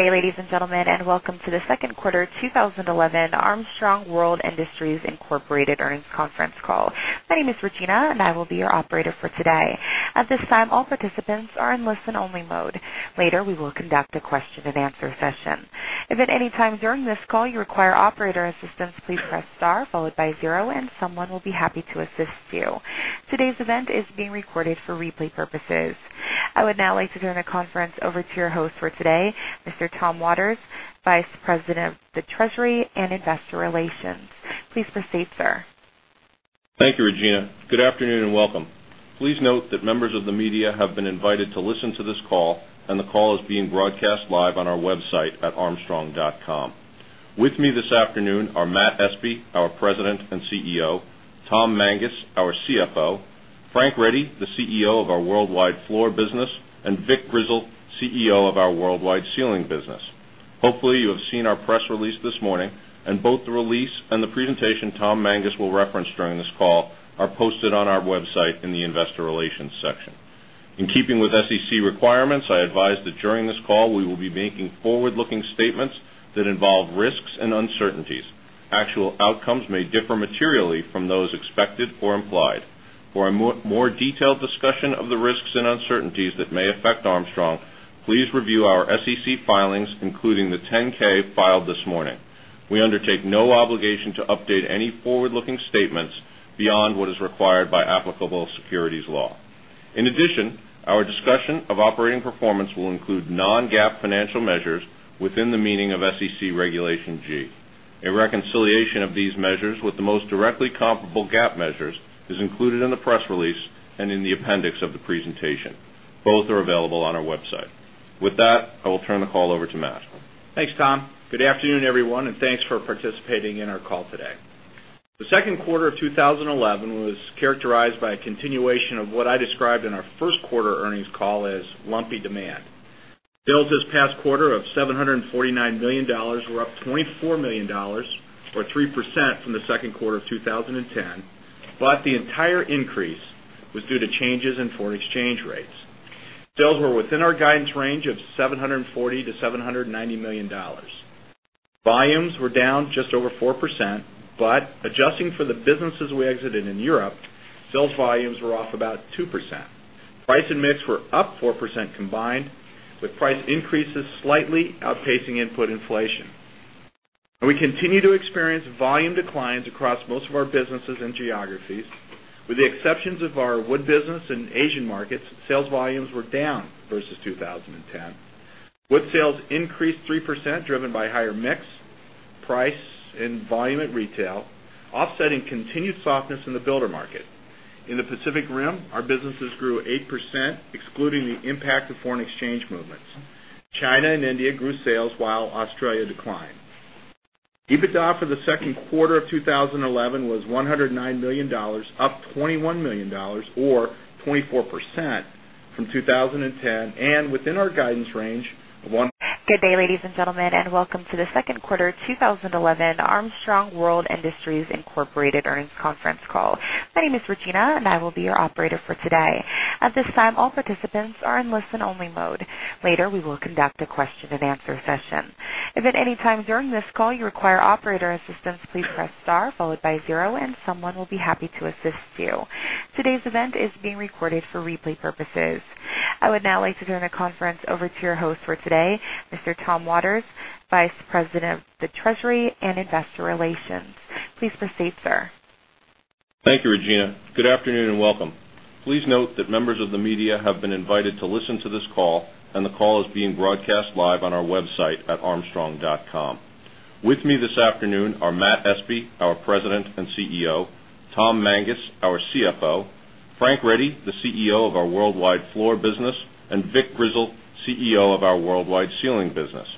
Thank you, ladies and gentlemen, and welcome to the second quarter 2011 Armstrong World Industries, Incorporated Earnings Conference Call. My name is Regina, and I will be your operator for today. At this time, all participants are in listen-only mode. Later, we will conduct a question and answer session. If at any time during this call you require operator assistance, please press star followed by zero, and someone will be happy to assist you. Today's event is being recorded for replay purposes. I would now like to turn the conference over to your host for today, Mr. Tom Waters, Vice President, Treasury and Investor Relations. Please proceed, sir. Thank you, Regina. Good afternoon and welcome. Please note that members of the media have been invited to listen to this call, and the call is being broadcast live on our website at armstrong.com. With me this afternoon are Matt Espe, our President and CEO, Tom Mangus, our CFO, Frank Reddy, the CEO of our Worldwide Floor Business, and Vic Grizzle, CEO of our Worldwide Ceiling Business. Hopefully, you have seen our press release this morning, and both the release and the presentation Tom Mangus will reference during this call are posted on our website in the Investor Relations section. In keeping with SEC requirements, I advise that during this call we will be making forward-looking statements that involve risks and uncertainties. Actual outcomes may differ materially from those expected or implied. For a more detailed discussion of the risks and uncertainties that may affect Armstrong World Industries, please review our SEC filings, including the 10-K filed this morning. We undertake no obligation to update any forward-looking statements beyond what is required by applicable securities law. In addition, our discussion of operating performance will include non-GAAP financial measures within the meaning of SEC Regulation G. A reconciliation of these measures with the most directly comparable GAAP measures is included in the press release and in the appendix of the presentation. Both are available on our website. With that, I will turn the call over to Matt. Thanks, Tom. Good afternoon, everyone, and thanks for participating in our call today. The second quarter of 2011 was characterized by a continuation of what I described in our first quarter earnings call as lumpy demand. Sales this past quarter of $749 million were up $24 million, or 3% from the second quarter of 2010, but the entire increase was due to changes in foreign exchange rates. Sales were within our guidance range of $740 million-$790 million. Volumes were down just over 4%, but adjusting for the businesses we exited in Europe, sales volumes were off about 2%. Price and mix were up 4% combined, with price increases slightly outpacing input inflation. We continue to experience volume declines across most of our businesses and geographies. With the exceptions of our wood business and Asian markets, sales volumes were down versus 2010. Wood sales increased 3%, driven by higher mix, price, and volume at retail, offsetting continued softness in the builder market. In the Pacific Rim, our businesses grew 8%, excluding the impact of foreign exchange movements. China and India grew sales, while Australia declined. EBITDA for the second quarter of 2011 was $109 million, up $21 million, or 24% from 2010, and within our guidance range of. Good day, ladies and gentlemen, and welcome to the second quarter 2011 Armstrong World Industries, Incorporated Earnings Conference Call. My name is Regina, and I will be your operator for today. At this time, all participants are in listen-only mode. Later, we will conduct a question and answer session. If at any time during this call you require operator assistance, please press star followed by zero, and someone will be happy to assist you. Today's event is being recorded for replay purposes. I would now like to turn the conference over to your host for today, Mr. Tom Waters, Vice President, Treasury and Investor Relations. Please proceed, sir. Thank you, Regina. Good afternoon and welcome. Please note that members of the media have been invited to listen to this call, and the call is being broadcast live on our website at armstrong.com. With me this afternoon are Matt Espe, our President and CEO, Tom Mangus, our CFO, Frank Reddy, the CEO of our Worldwide Floor Business, and Vic Grizzle, CEO of our Worldwide Ceiling Business.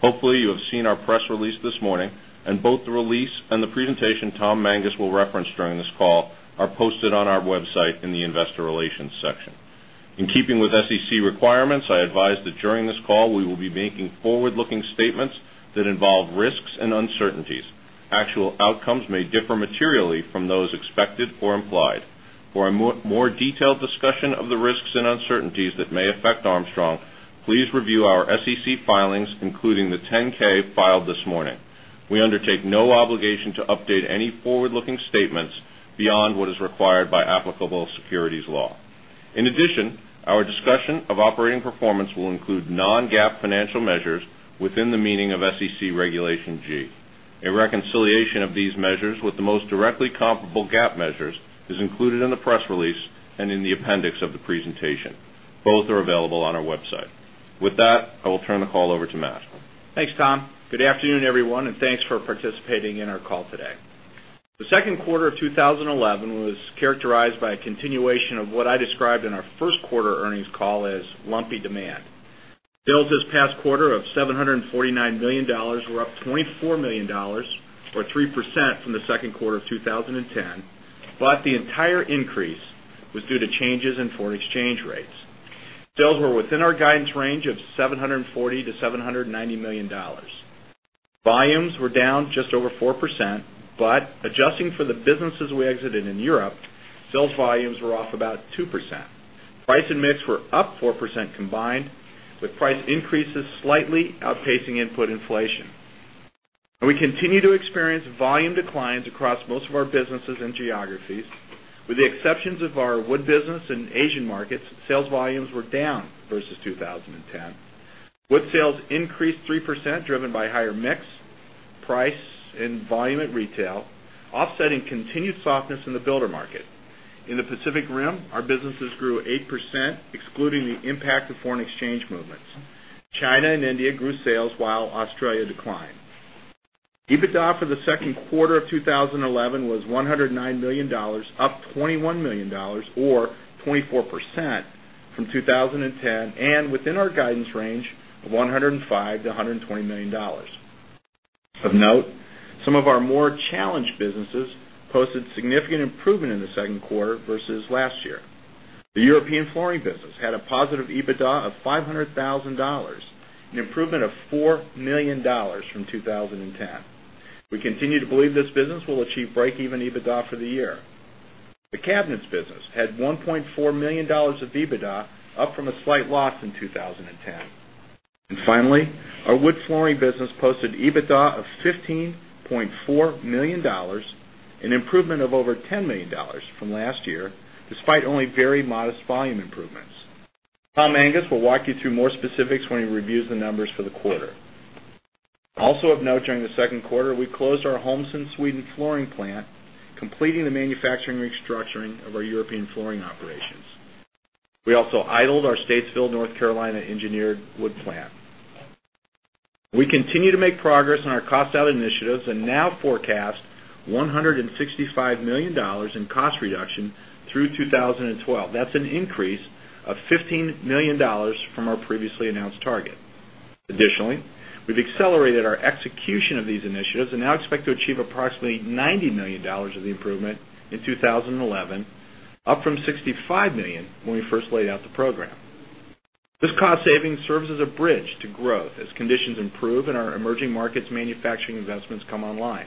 Hopefully, you have seen our press release this morning, and both the release and the presentation Tom Mangus will reference during this call are posted on our website in the Investor Relations section. In keeping with SEC requirements, I advise that during this call we will be making forward-looking statements that involve risks and uncertainties. Actual outcomes may differ materially from those expected or implied. For a more detailed discussion of the risks and uncertainties that may affect Armstrong World Industries, please review our SEC filings, including the 10-K filed this morning. We undertake no obligation to update any forward-looking statements beyond what is required by applicable securities law. In addition, our discussion of operating performance will include non-GAAP financial measures within the meaning of SEC Regulation G. A reconciliation of these measures with the most directly comparable GAAP measures is included in the press release and in the appendix of the presentation. Both are available on our website. With that, I will turn the call over to Matt. Thanks, Tom. Good afternoon, everyone, and thanks for participating in our call today. The second quarter of 2011 was characterized by a continuation of what I described in our first quarter earnings call as lumpy demand. Sales this past quarter of $749 million were up $24 million, or 3% from the second quarter of 2010, but the entire increase was due to changes in foreign exchange rates. Sales were within our guidance range of $740 million-$790 million. Volumes were down just over 4%, but adjusting for the businesses we exited in Europe, sales volumes were off about 2%. Price and mix were up 4% combined, with price increases slightly outpacing input inflation. We continue to experience volume declines across most of our businesses and geographies. With the exceptions of our wood business and Asian markets, sales volumes were down versus 2010. Wood sales increased 3%, driven by higher mix, price, and volume at retail, offsetting continued softness in the builder market. In the Pacific Rim, our businesses grew 8%, excluding the impact of foreign exchange movements. China and India grew sales, while Australia declined. EBITDA for the second quarter of 2011 was $109 million, up $21 million, or 24% from 2010, and within our guidance range of $105 million-$120 million. Of note, some of our more challenged businesses posted significant improvement in the second quarter versus last year. The European flooring business had a positive EBITDA of $0.5 million, an improvement of $4 million from 2010. We continue to believe this business will achieve break-even EBITDA for the year. The cabinets business had $1.4 million of EBITDA, up from a slight loss in 2010. Finally, our wood flooring business posted EBITDA of $15.4 million, an improvement of over $10 million from last year, despite only very modest volume improvements. Tom Mangus will walk you through more specifics when he reviews the numbers for the quarter. Also of note, during the second quarter, we closed our Holmsen, Sweden flooring plant, completing the manufacturing restructuring of our European flooring operations. We also idled our Statesville, North Carolina engineered wood plant. We continue to make progress on our cost out initiatives and now forecast $165 million in cost reduction through 2012. That's an increase of $15 million from our previously announced target. Additionally, we've accelerated our execution of these initiatives and now expect to achieve approximately $90 million of the improvement in 2011, up from $65 million when we first laid out the program. This cost savings serves as a bridge to growth as conditions improve and our emerging markets' manufacturing investments come online.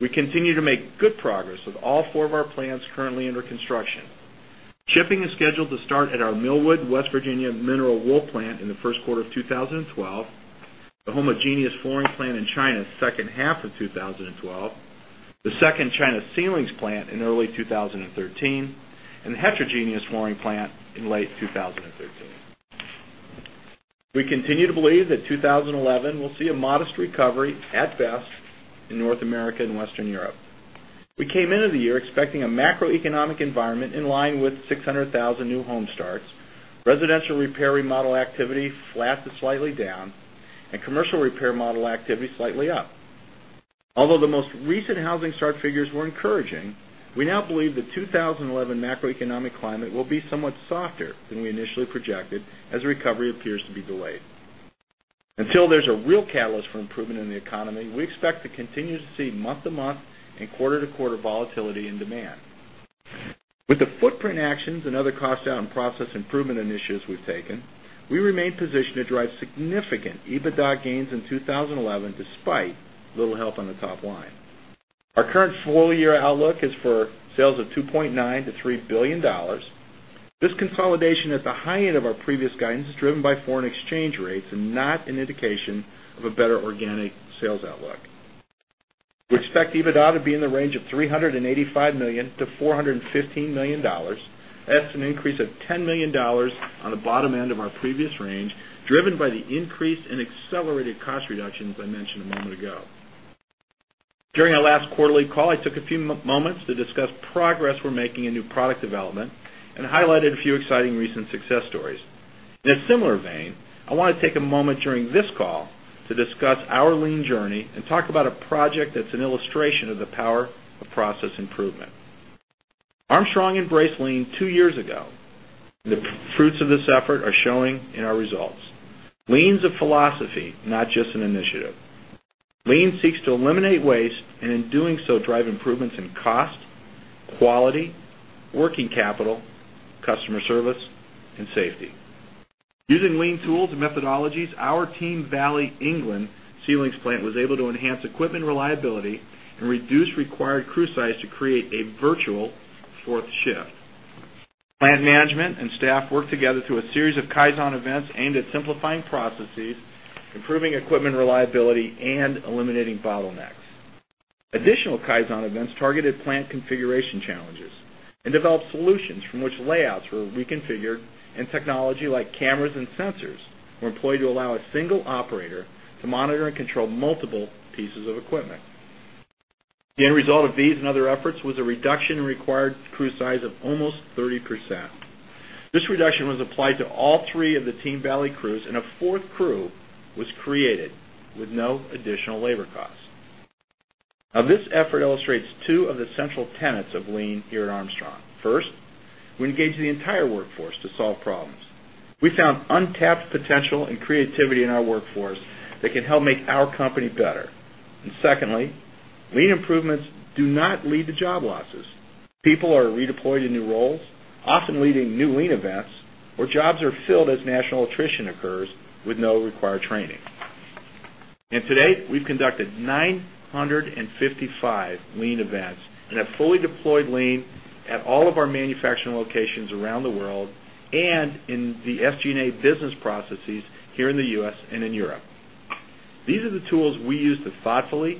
We continue to make good progress with all four of our plants currently under construction. Shipping is scheduled to start at our Millwood, West Virginia, mineral wool plant in the first quarter of 2012, the homogeneous flooring plant in China’s second half of 2012, the second China ceilings plant in early 2013, and the heterogeneous flooring plant in late 2013. We continue to believe that 2011 will see a modest recovery, at best, in North America and Western Europe. We came into the year expecting a macroeconomic environment in line with 600,000 new home starts, residential repair remodel activity flat to slightly down, and commercial repair remodel activity slightly up. Although the most recent housing start figures were encouraging, we now believe the 2011 macroeconomic climate will be somewhat softer than we initially projected as recovery appears to be delayed. Until there's a real catalyst for improvement in the economy, we expect to continue to see month-to-month and quarter-to-quarter volatility in demand. With the footprint actions and other cost out and process improvement initiatives we've taken, we remain positioned to drive significant EBITDA gains in 2011, despite little help on the top line. Our current full-year outlook is for sales of $2.9 billion-$3 billion. and highlighted a few exciting recent success stories. In a similar vein, I want to take a moment during this call to discuss our lean journey and talk about a project that's an illustration of the power of process improvement. Armstrong embraced lean two years ago, and the fruits of this effort are showing in our results. Lean's a philosophy, not just an initiative. Lean seeks to eliminate waste and, in doing so, drive improvements in cost, quality, working capital, customer service, and safety. Using lean tools and methodologies, our Team Valley, England, ceilings plant was able to enhance equipment reliability and reduce required crew size to create a virtual fourth shift. Plant management and staff worked together through a series of Kaizen events aimed at simplifying processes, improving equipment reliability, and eliminating bottlenecks. Additional Kaizen events targeted plant configuration challenges and developed solutions from which layouts were reconfigured, and technology like cameras and sensors were employed to allow a single operator to monitor and control multiple pieces of equipment. The end result of these and other efforts was a reduction in required crew size of almost 30%. This reduction was applied to all three of the Team Valley crews, and a fourth crew was created with no additional labor costs. This effort illustrates two of the central tenets of lean here at Armstrong. First, we engage the entire workforce to solve problems. We found untapped potential and creativity in our workforce that can help make our company better. Secondly, lean improvements do not lead to job losses. People are redeployed in new roles, often leading new lean events, or jobs are filled as natural attrition occurs with no required training. To date, we've conducted 955 lean events and have fully deployed lean at all of our manufacturing locations around the world and in the SG&A business processes here in the U.S. and in Europe. These are the tools we use to thoughtfully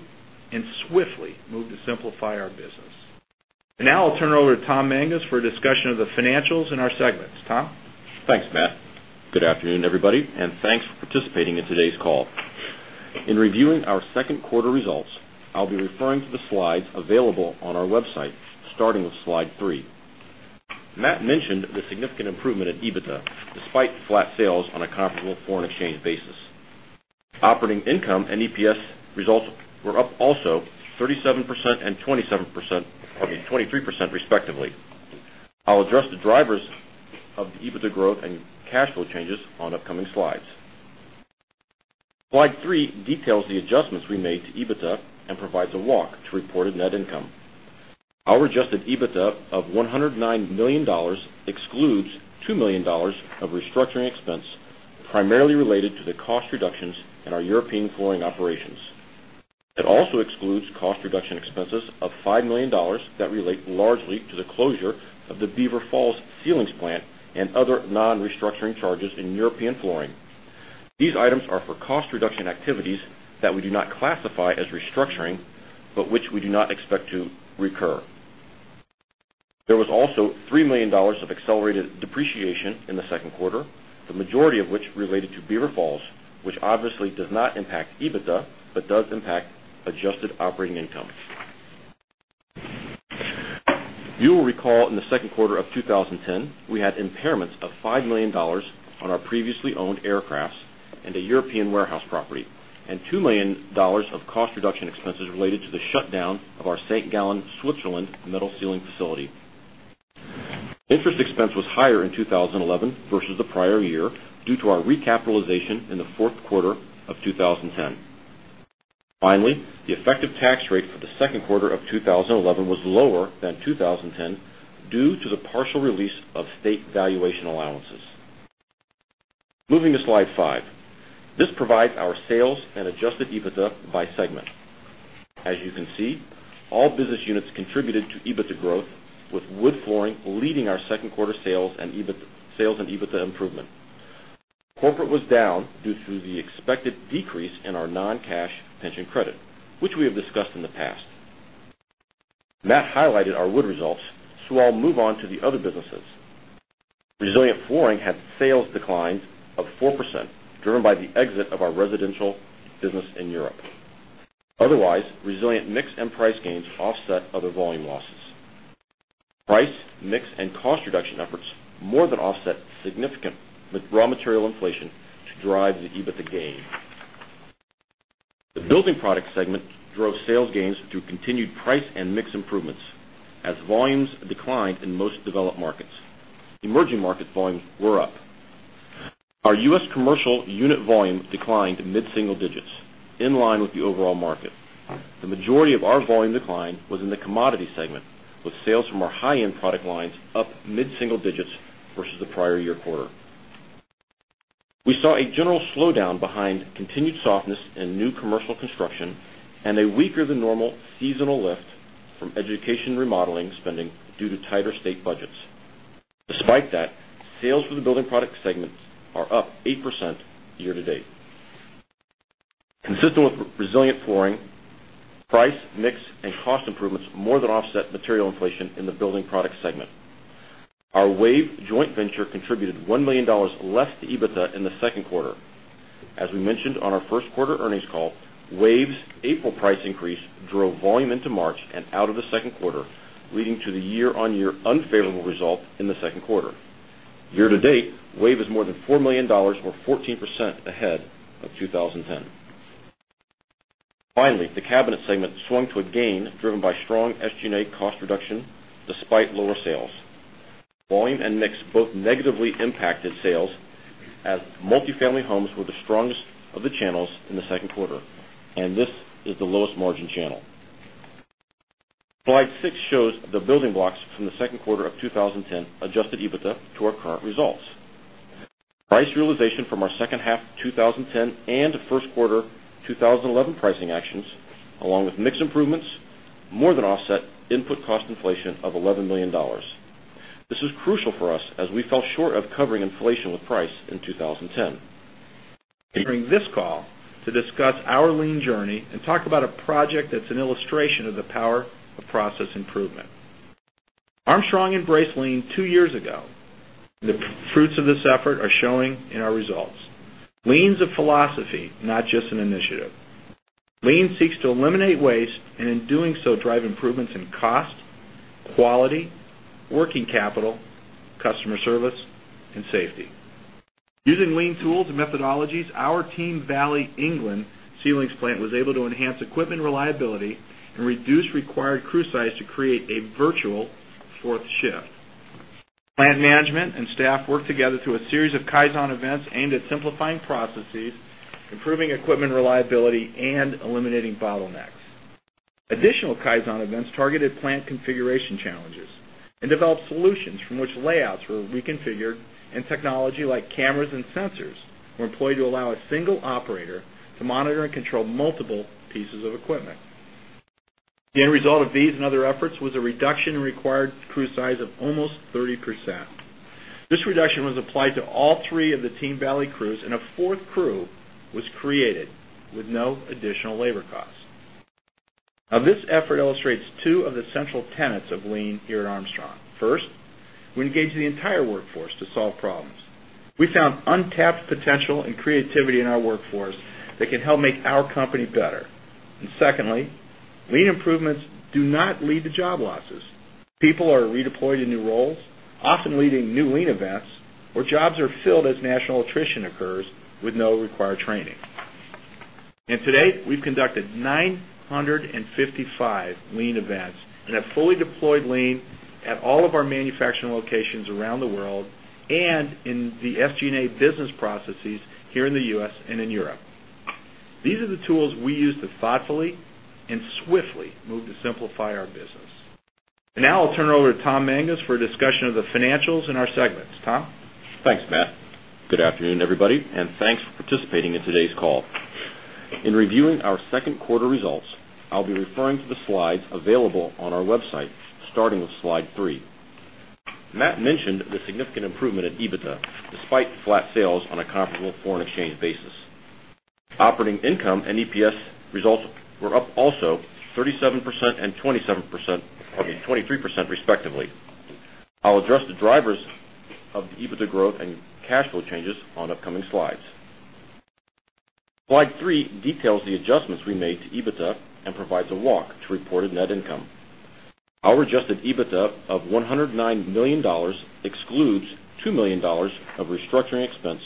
and swiftly move to simplify our business. I will turn it over to Tom Mangus for a discussion of the financials in our segments. Tom? Thanks, Matt. Good afternoon, everybody, and thanks for participating in today's call. In reviewing our second quarter results, I'll be referring to the slides available on our website, starting with slide three. Matt mentioned the significant improvement in EBITDA despite flat sales on a comparable foreign exchange basis. Operating income and EPS results were up also 37% and 23%, respectively. I'll address the drivers of the EBITDA growth and cash flow changes on upcoming slides. Slide three details the adjustments we made to EBITDA and provides a walk to reported net income. Our adjusted EBITDA of $109 million excludes $2 million of restructuring expense, primarily related to the cost reductions in our European flooring operations. It also excludes cost reduction expenses of $5 million that relate largely to the closure of the Beaver Falls ceilings plant and other non-restructuring charges in European flooring. These items are for cost reduction activities that we do not classify as restructuring, but which we do not expect to recur. There was also $3 million of accelerated depreciation in the second quarter, the majority of which related to Beaver Falls, which obviously does not impact EBITDA but does impact adjusted operating incomes. You will recall in the second quarter of 2010, we had impairments of $5 million on our previously owned aircrafts and a European warehouse property, and $2 million of cost reduction expenses related to the shutdown of our St. Gallen, Switzerland, metal ceiling facility. Interest expense was higher in 2011 versus the prior year due to our recapitalization in the fourth quarter of 2010. Finally, the effective tax rate for the second quarter of 2011 was lower than 2010 due to the partial release of state valuation allowances. Moving to slide five, this provides our sales and adjusted EBITDA by segment. As you can see, all business units contributed to EBITDA growth, with wood flooring leading our second quarter sales and EBITDA improvement. Corporate was down due to the expected decrease in our non-cash pension credit, which we have discussed in the past. Matt highlighted our wood results, so I'll move on to the other businesses. Resilient flooring had sales declines of 4%, driven by the exit of our residential business in Europe. Otherwise, resilient mix and price gains offset other volume losses. Price, mix, and cost reduction efforts more than offset significant raw material inflation to drive the EBITDA gain. The building products segment drove sales gains through continued price and mix improvements, as volumes declined in most developed markets. Emerging market volumes were up. Our U.S. commercial unit volume declined mid-single digits, in line with the overall market. The majority of our volume decline was in the commodity segment, with sales from our high-end product lines up mid-single digits versus the prior year quarter. We saw a general slowdown behind continued softness in new commercial construction and a weaker than normal seasonal lift from education remodeling spending due to tighter state budgets. Despite that, sales of the building products segment are up 8% year to date. Consistent with resilient flooring, price, mix, and cost improvements more than offset material inflation in the building products segment. Our WAVE joint venture contributed $1 million less to EBITDA in the second quarter. As we mentioned on our first quarter earnings call, WAVE's April price increase drove volume into March and out of the second quarter, leading to the year-on-year unfavorable result in the second quarter. Year to date, WAVE is more than $4 million, or 14% ahead of 2010. Finally, the cabinet segment swung to a gain driven by strong SG&A cost reduction despite lower sales. Volume and mix both negatively impacted sales, as multifamily homes were the strongest of the channels in the second quarter, and this is the lowest margin channel. Slide six shows the building blocks from the second quarter of 2010 adjusted EBITDA to our current results. Price realization from our second half 2010 and first quarter 2011 pricing actions, along with mix improvements, more than offset input cost inflation of $11 million. This was crucial for us as we fell short of covering inflation with price in 2010. During this call, we'll discuss our lean journey and talk about a project that's an illustration of the power of process improvement. Armstrong embraced lean two years ago, and the fruits of this effort are showing in our results. Lean's a philosophy, not just an initiative. Lean seeks to eliminate waste and, in doing so, drive improvements in cost, quality, working capital, customer service, and safety. Using lean tools and methodologies, our Team Valley, England, ceilings plant was able to enhance equipment reliability and reduce required crew size to create a virtual fourth shift. Plant management and staff worked together through a series of Kaizen events aimed at simplifying processes, improving equipment reliability, and eliminating bottlenecks. Additional Kaizen events targeted plant configuration challenges and developed solutions from which layouts were reconfigured, and technology like cameras and sensors were employed to allow a single operator to monitor and control multiple pieces of equipment. The end result of these and other efforts was a reduction in required crew size of almost 30%. This reduction was applied to all three of the Team Valley crews, and a fourth crew was created with no additional labor costs. This effort illustrates two of the central tenets of lean here at Armstrong. First, we engage the entire workforce to solve problems. We found untapped potential and creativity in our workforce that can help make our company better. Secondly, lean improvements do not lead to job losses. People are redeployed in new roles, often leading new lean events, or jobs are filled as natural attrition occurs with no required training. To date, we've conducted 955 lean events and have fully deployed lean at all of our manufacturing locations around the world and in the SG&A business processes here in the U.S. and in Europe. These are the tools we use to thoughtfully and swiftly move to simplify our business. Now I'll turn it over to Tom Mangus for a discussion of the financials in our segments. Tom? Thanks, Matt. Good afternoon, everybody, and thanks for participating in today's call. In reviewing our second quarter results, I'll be referring to the slides available on our website, starting with slide three. Matt mentioned the significant improvement in EBITDA despite flat sales on a comparable foreign exchange basis. Operating income and EPS results were up also 37% and 23%, respectively. I'll address the drivers of the EBITDA growth and cash flow changes on upcoming slides. Slide three details the adjustments we made to EBITDA and provides a walk to reported net income. Our adjusted EBITDA of $109 million excludes $2 million of restructuring expense,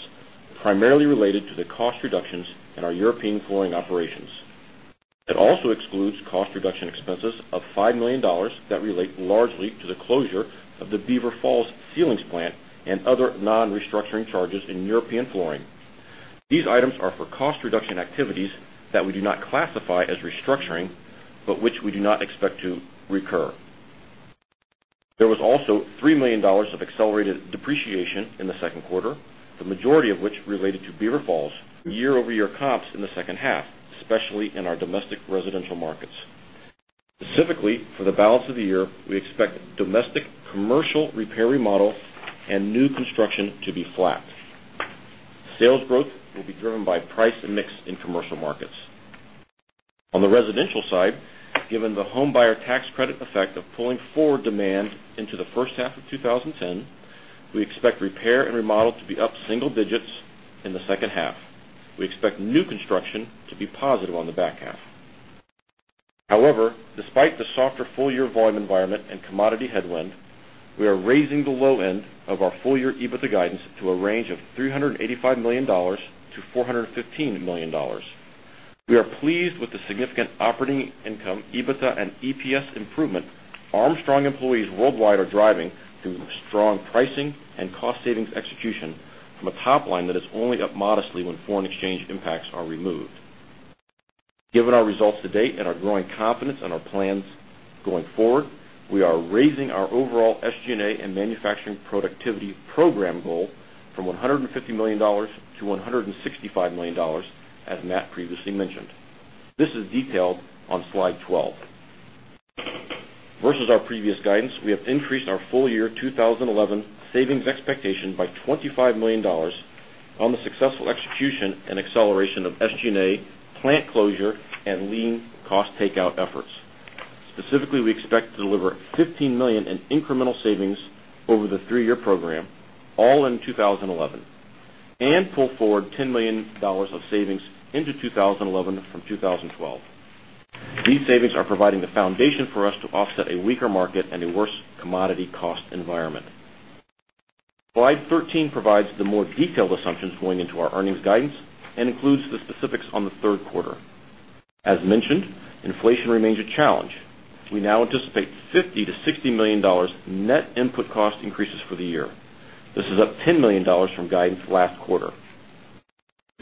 primarily related to the cost reductions in our European flooring operations. It also excludes cost reduction expenses of $5 million that relate largely to the closure of the Beaver Falls ceilings plant and other non-restructuring charges in European flooring. These items are for cost reduction activities that we do not classify as restructuring, but which we do not expect to recur. There was also $3 million of accelerated depreciation in the second quarter, the majority of which related to Beaver Falls' year-over-year comps in the second half, especially in our domestic residential markets. Specifically, for the balance of the year, we expect domestic commercial repair remodel and new construction to be flat. Sales growth will be driven by price and mix in commercial markets. On the residential side, given the home buyer tax credit effect of pulling forward demand into the first half of 2010, we expect repair and remodel to be up single digits in the second half. We expect new construction to be positive on the back half. However, despite the softer full-year volume environment and commodity headwind, we are raising the low end of our full-year EBITDA guidance to a range of $385 million-$415 million. We are pleased with the significant operating income, EBITDA, and EPS improvement Armstrong employees worldwide are driving through strong pricing and cost savings execution, with a top line that is only up modestly when foreign exchange impacts are removed. Given our results to date and our growing confidence in our plans going forward, we are raising our overall SG&A and manufacturing productivity program goal from $150 million-$165 million, as Matt previously mentioned. This is detailed on slide 12. Versus our previous guidance, we have increased our full-year 2011 savings expectation by $25 million on the successful execution and acceleration of SG&A, plant closure, and lean cost takeout efforts. Specifically, we expect to deliver $15 million in incremental savings over the three-year program, all in 2011, and pull forward $10 million of savings into 2011 from 2012. These savings are providing the foundation for us to offset a weaker market and a worse commodity cost environment. Slide 13 provides the more detailed assumptions going into our earnings guidance and includes the specifics on the third quarter. As mentioned, inflation remains a challenge. We now anticipate $50 million-$60 million net input cost increases for the year. This is up $10 million from guidance last quarter.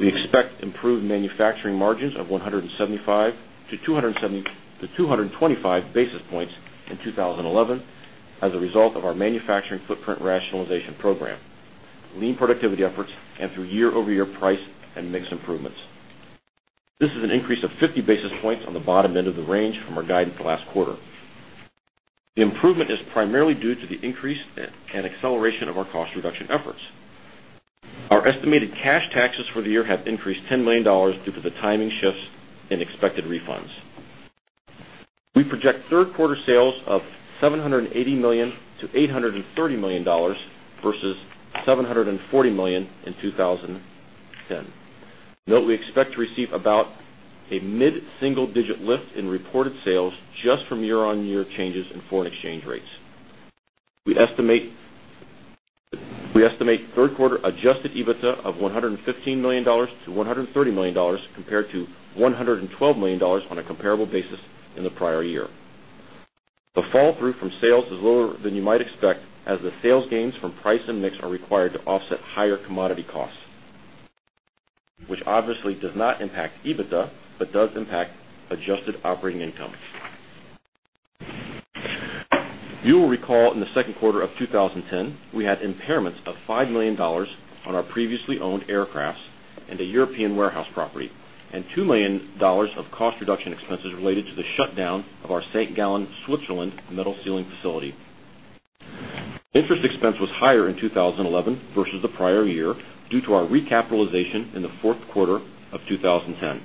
We expect improved manufacturing margins of 175-225 basis points in 2011 as a result of our manufacturing footprint rationalization program, lean productivity efforts, and through year-over-year price and mix improvements. This is an increase of 50 basis points on the bottom end of the range from our guidance last quarter. The improvement is primarily due to the increase and acceleration of our cost reduction efforts. Our estimated cash taxes for the year have increased $10 million due to the timing shifts and expected refunds. We project third quarter sales of $780 million-$830 million versus $740 million in 2010. Note, we expect to receive about a mid-single digit lift in reported sales just from year-on-year changes in foreign exchange rates. We estimate third quarter adjusted EBITDA of $115 million-$130 million, compared to $112 million on a comparable basis in the prior year. The fall through from sales is lower than you might expect, as the sales gains from price and mix are required to offset higher commodity costs, which obviously does not impact EBITDA but does impact adjusted operating income. You will recall in the second quarter of 2010, we had impairments of $5 million on our previously owned aircraft and a European warehouse property, and $2 million of cost reduction expenses related to the shutdown of our St. Gallen, Switzerland, metal ceiling facility. Interest expense was higher in 2011 versus the prior year due to our recapitalization in the fourth quarter of 2010.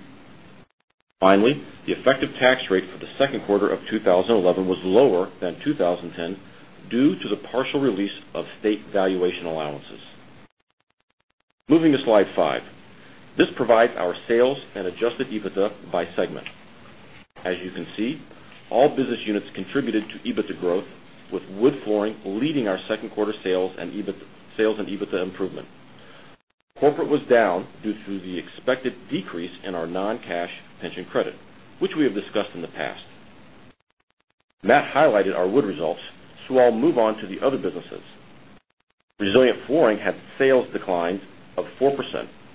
Finally, the effective tax rate for the second quarter of 2011 was lower than 2010 due to the partial release of state valuation allowances. Moving to slide five, this provides our sales and adjusted EBITDA by segment. As you can see, all business units contributed to EBITDA growth, with wood flooring leading our second quarter sales and EBITDA improvement. Corporate was down due to the expected decrease in our non-cash pension credit, which we have discussed in the past. Matt highlighted our wood results, so I'll move on to the other businesses. Resilient flooring had sales declines of 4%,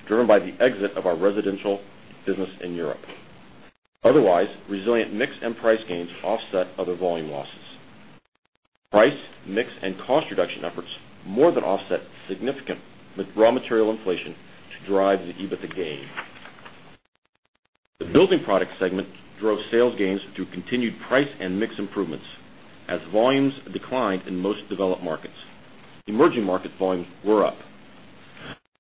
driven by the exit of our residential business in Europe. Otherwise, resilient mix and price gains offset other volume losses. Price, mix, and cost reduction efforts more than offset significant raw material inflation to drive the EBITDA gain. The building products segment drove sales gains through continued price and mix improvements, as volumes declined in most developed markets. Emerging market volumes were up.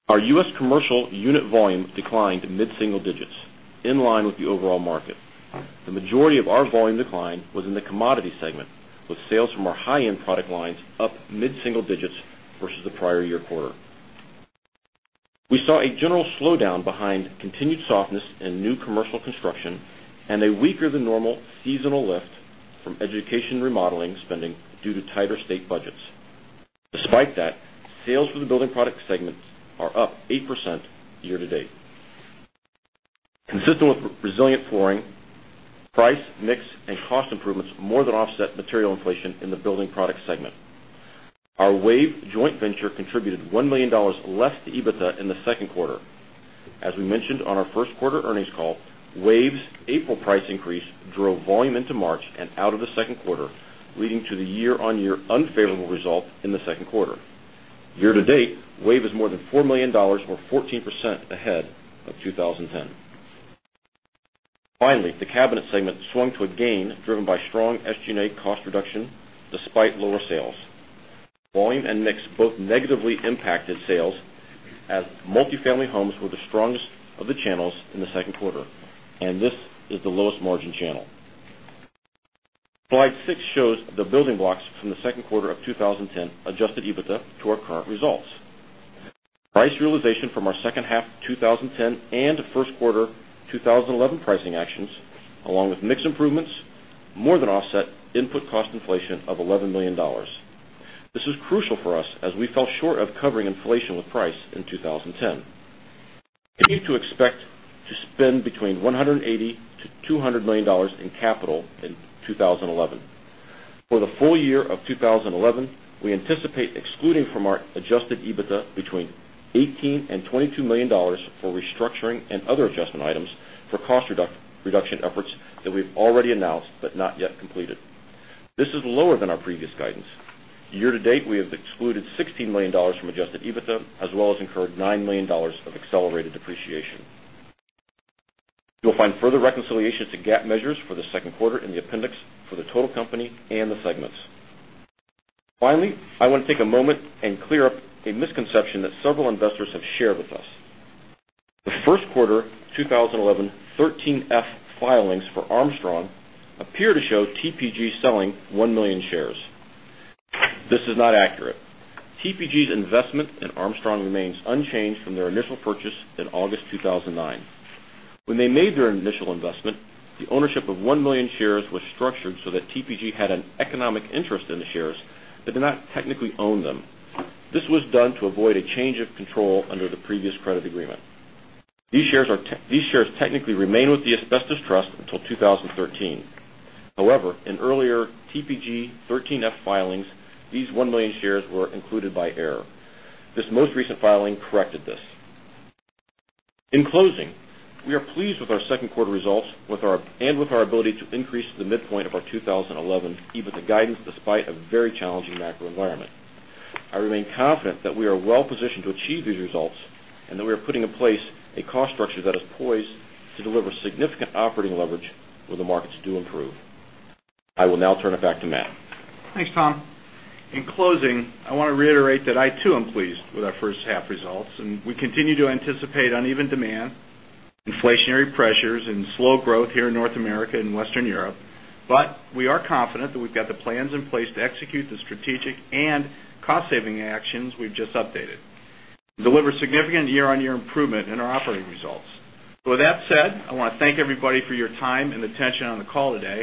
Our U.S. commercial unit volume declined mid-single digits, in line with the overall market. The majority of our volume decline was in the commodity segment, with sales from our high-end product lines up mid-single digits versus the prior year quarter. We saw a general slowdown behind continued softness in new commercial construction and a weaker than normal seasonal lift from education remodeling spending due to tighter state budgets. Despite that, sales for the building products segment are up 8% year to date. Consistent with resilient flooring, price, mix, and cost improvements more than offset material inflation in the building products segment. Our WAVE joint venture contributed $1 million less to EBITDA in the second quarter. As we mentioned on our first quarter earnings call, WAVE's April price increase drove volume into March and out of the second quarter, leading to the year-on-year unfavorable result in the second quarter. Year to date, WAVE is more than $4 million, or 14% ahead of 2010. Finally, the cabinet segment swung to a gain driven by strong SG&A cost reduction despite lower sales. Volume and mix both negatively impacted sales, as multifamily homes were the strongest of the channels in the second quarter, and this is the lowest margin channel. Slide six shows the building blocks from the second quarter of 2010 adjusted EBITDA to our current results. Price realization from our second half 2010 and first quarter 2011 pricing actions, along with mix improvements, more than offset input cost inflation of $11 million. This was crucial for us as we fell short of covering inflation with price in 2010. We used to expect to spend between $180 million-$200 million in capital in 2011. For the full year of 2011, we anticipate excluding from our adjusted EBITDA between $18 and $22 million for restructuring and other adjustment items for cost reduction efforts that we've already announced but not yet completed. This is lower than our previous guidance. Year to date, we have excluded $16 million from adjusted EBITDA, as well as incurred $9 million of accelerated depreciation. You'll find further reconciliation to GAAP measures for the second quarter in the appendix for the total company and the segments. Finally, I want to take a moment and clear up a misconception that several investors have shared with us. The first quarter 2011 13F filings for Armstrong appear to show TPG selling 1 million shares. This is not accurate. TPG's investment in Armstrong remains unchanged from their initial purchase in August 2009. When they made their initial investment, the ownership of 1 million shares was structured so that TPG had an economic interest in the shares but did not technically own them. This was done to avoid a change of control under the previous credit agreement. These shares technically remain with the asbestos trust until 2013. However, in earlier TPG 13F filings, these 1 million shares were included by error. This most recent filing corrected this. In closing, we are pleased with our second quarter results and with our ability to increase the midpoint of our 2011 EBITDA guidance despite a very challenging macro environment. I remain confident that we are well positioned to achieve these results and that we are putting in place a cost structure that is poised to deliver significant operating leverage when the markets do improve. I will now turn it back to Matt. Thanks, Tom. In closing, I want to reiterate that I, too, am pleased with our first half results, and we continue to anticipate uneven demand, inflationary pressures, and slow growth here in North America and Western Europe. We are confident that we've got the plans in place to execute the strategic and cost-saving actions we've just updated and deliver significant year-on-year improvement in our operating results. With that said, I want to thank everybody for your time and attention on the call today,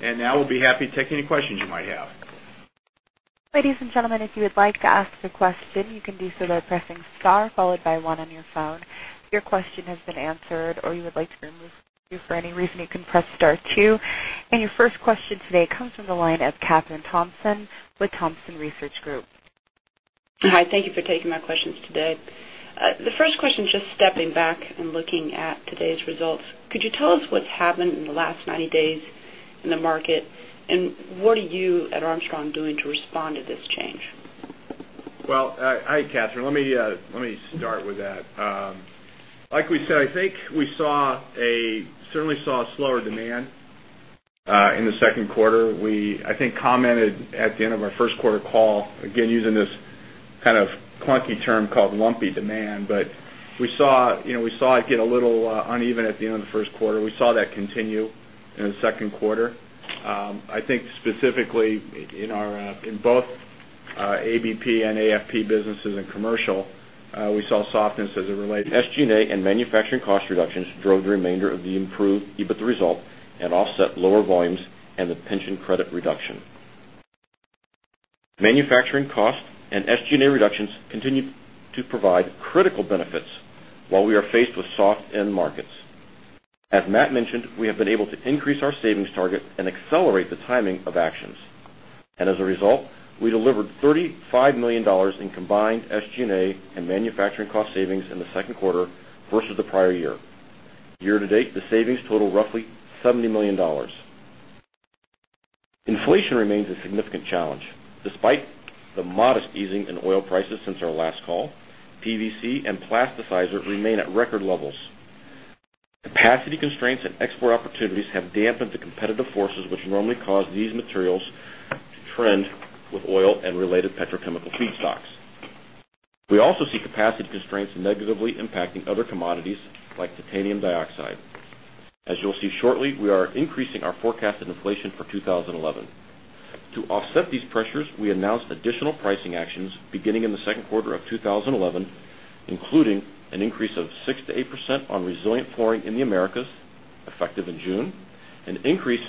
and now we'll be happy to take any questions you might have. Ladies and gentlemen, if you would like to ask your question, you can do so by pressing star followed by one on your phone. If your question has been answered or you would like to be removed for any reason, you can press star two. Your first question today comes from the line of Kathryn Thompson with Thomson Research Group. Hi. Thank you for taking my questions today. The first question, just stepping back and looking at today's results, could you tell us what's happened in the last 90 days in the market and what are you at Armstrong doing to respond to this change? Hi, Kathryn. Let me start with that. Like we said, I think we saw a certainly slower demand in the second quarter. We, I think, commented at the end of our first quarter call, again, using this kind of clunky term called lumpy demand. We saw it get a little uneven at the end of the first quarter. We saw that continue in the second quarter. I think specifically in both ABP and AFP businesses and commercial, we saw softness as it related to SG&A and manufacturing cost reductions drove the remainder of the improved EBITDA result and offset lower volumes and the pension credit reduction. Manufacturing cost and SG&A reductions continue to provide critical benefits while we are faced with soft end markets. As Matt mentioned, we have been able to increase our savings target and accelerate the timing of actions. As a result, we delivered $35 million in combined SG&A and manufacturing cost savings in the second quarter versus the prior year. Year to date, the savings total roughly $70 million. Inflation remains a significant challenge. Despite the modest easing in oil prices since our last call, PVC and plasticizer remain at record levels. Capacity constraints and export opportunities have dampened the competitive forces which normally cause these materials to trend with oil and related petrochemical feedstocks. We also see capacity constraints negatively impacting other commodities like titanium dioxide. As you'll see shortly, we are increasing our forecasted inflation for 2011. To offset these pressures, we announced additional pricing actions beginning in the second quarter of 2011, including an increase of 6%-8% on resilient flooring in the Americas, effective in June, an increase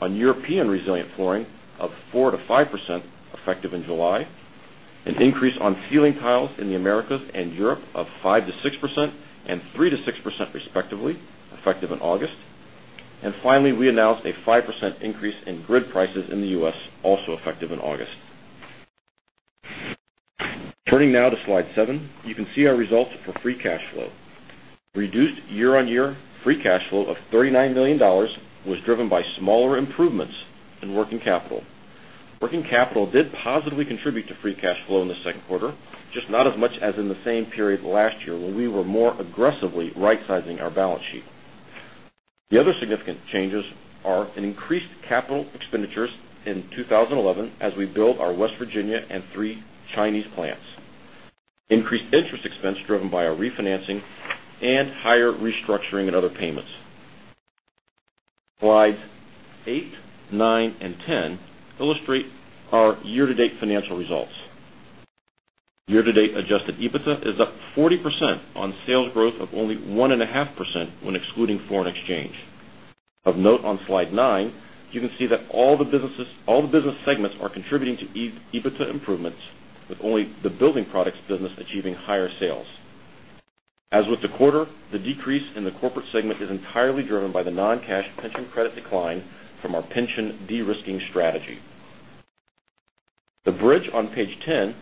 on European resilient flooring of 4%-5%, effective in July, an increase on ceiling tiles in the Americas and Europe of 5%-6% and 3%-6%, respectively, effective in August. Finally, we announced a 5% increase in grid prices in the U.S., also effective in August. Turning now to slide seven, you can see our results for free cash flow. Reduced year-on-year free cash flow of $39 million was driven by smaller improvements in working capital. Working capital did positively contribute to free cash flow in the second quarter, just not as much as in the same period last year when we were more aggressively right-sizing our balance sheet. The other significant changes are in increased capital expenditures in 2011 as we built our West Virginia and three China plants, increased interest expense driven by our refinancing, and higher restructuring and other payments. Slides 8, 9, and 10 illustrate our year-to-date financial results. Year-to-date adjusted EBITDA is up 40% on sales growth of only 1.5% when excluding foreign exchange. Of note, on slide 9, you can see that all the business segments are contributing to EBITDA improvements, with only the building products business achieving higher sales. As with the quarter, the decrease in the corporate segment is entirely driven by the non-cash pension credit decline from our pension de-risking strategy. The bridge on page 10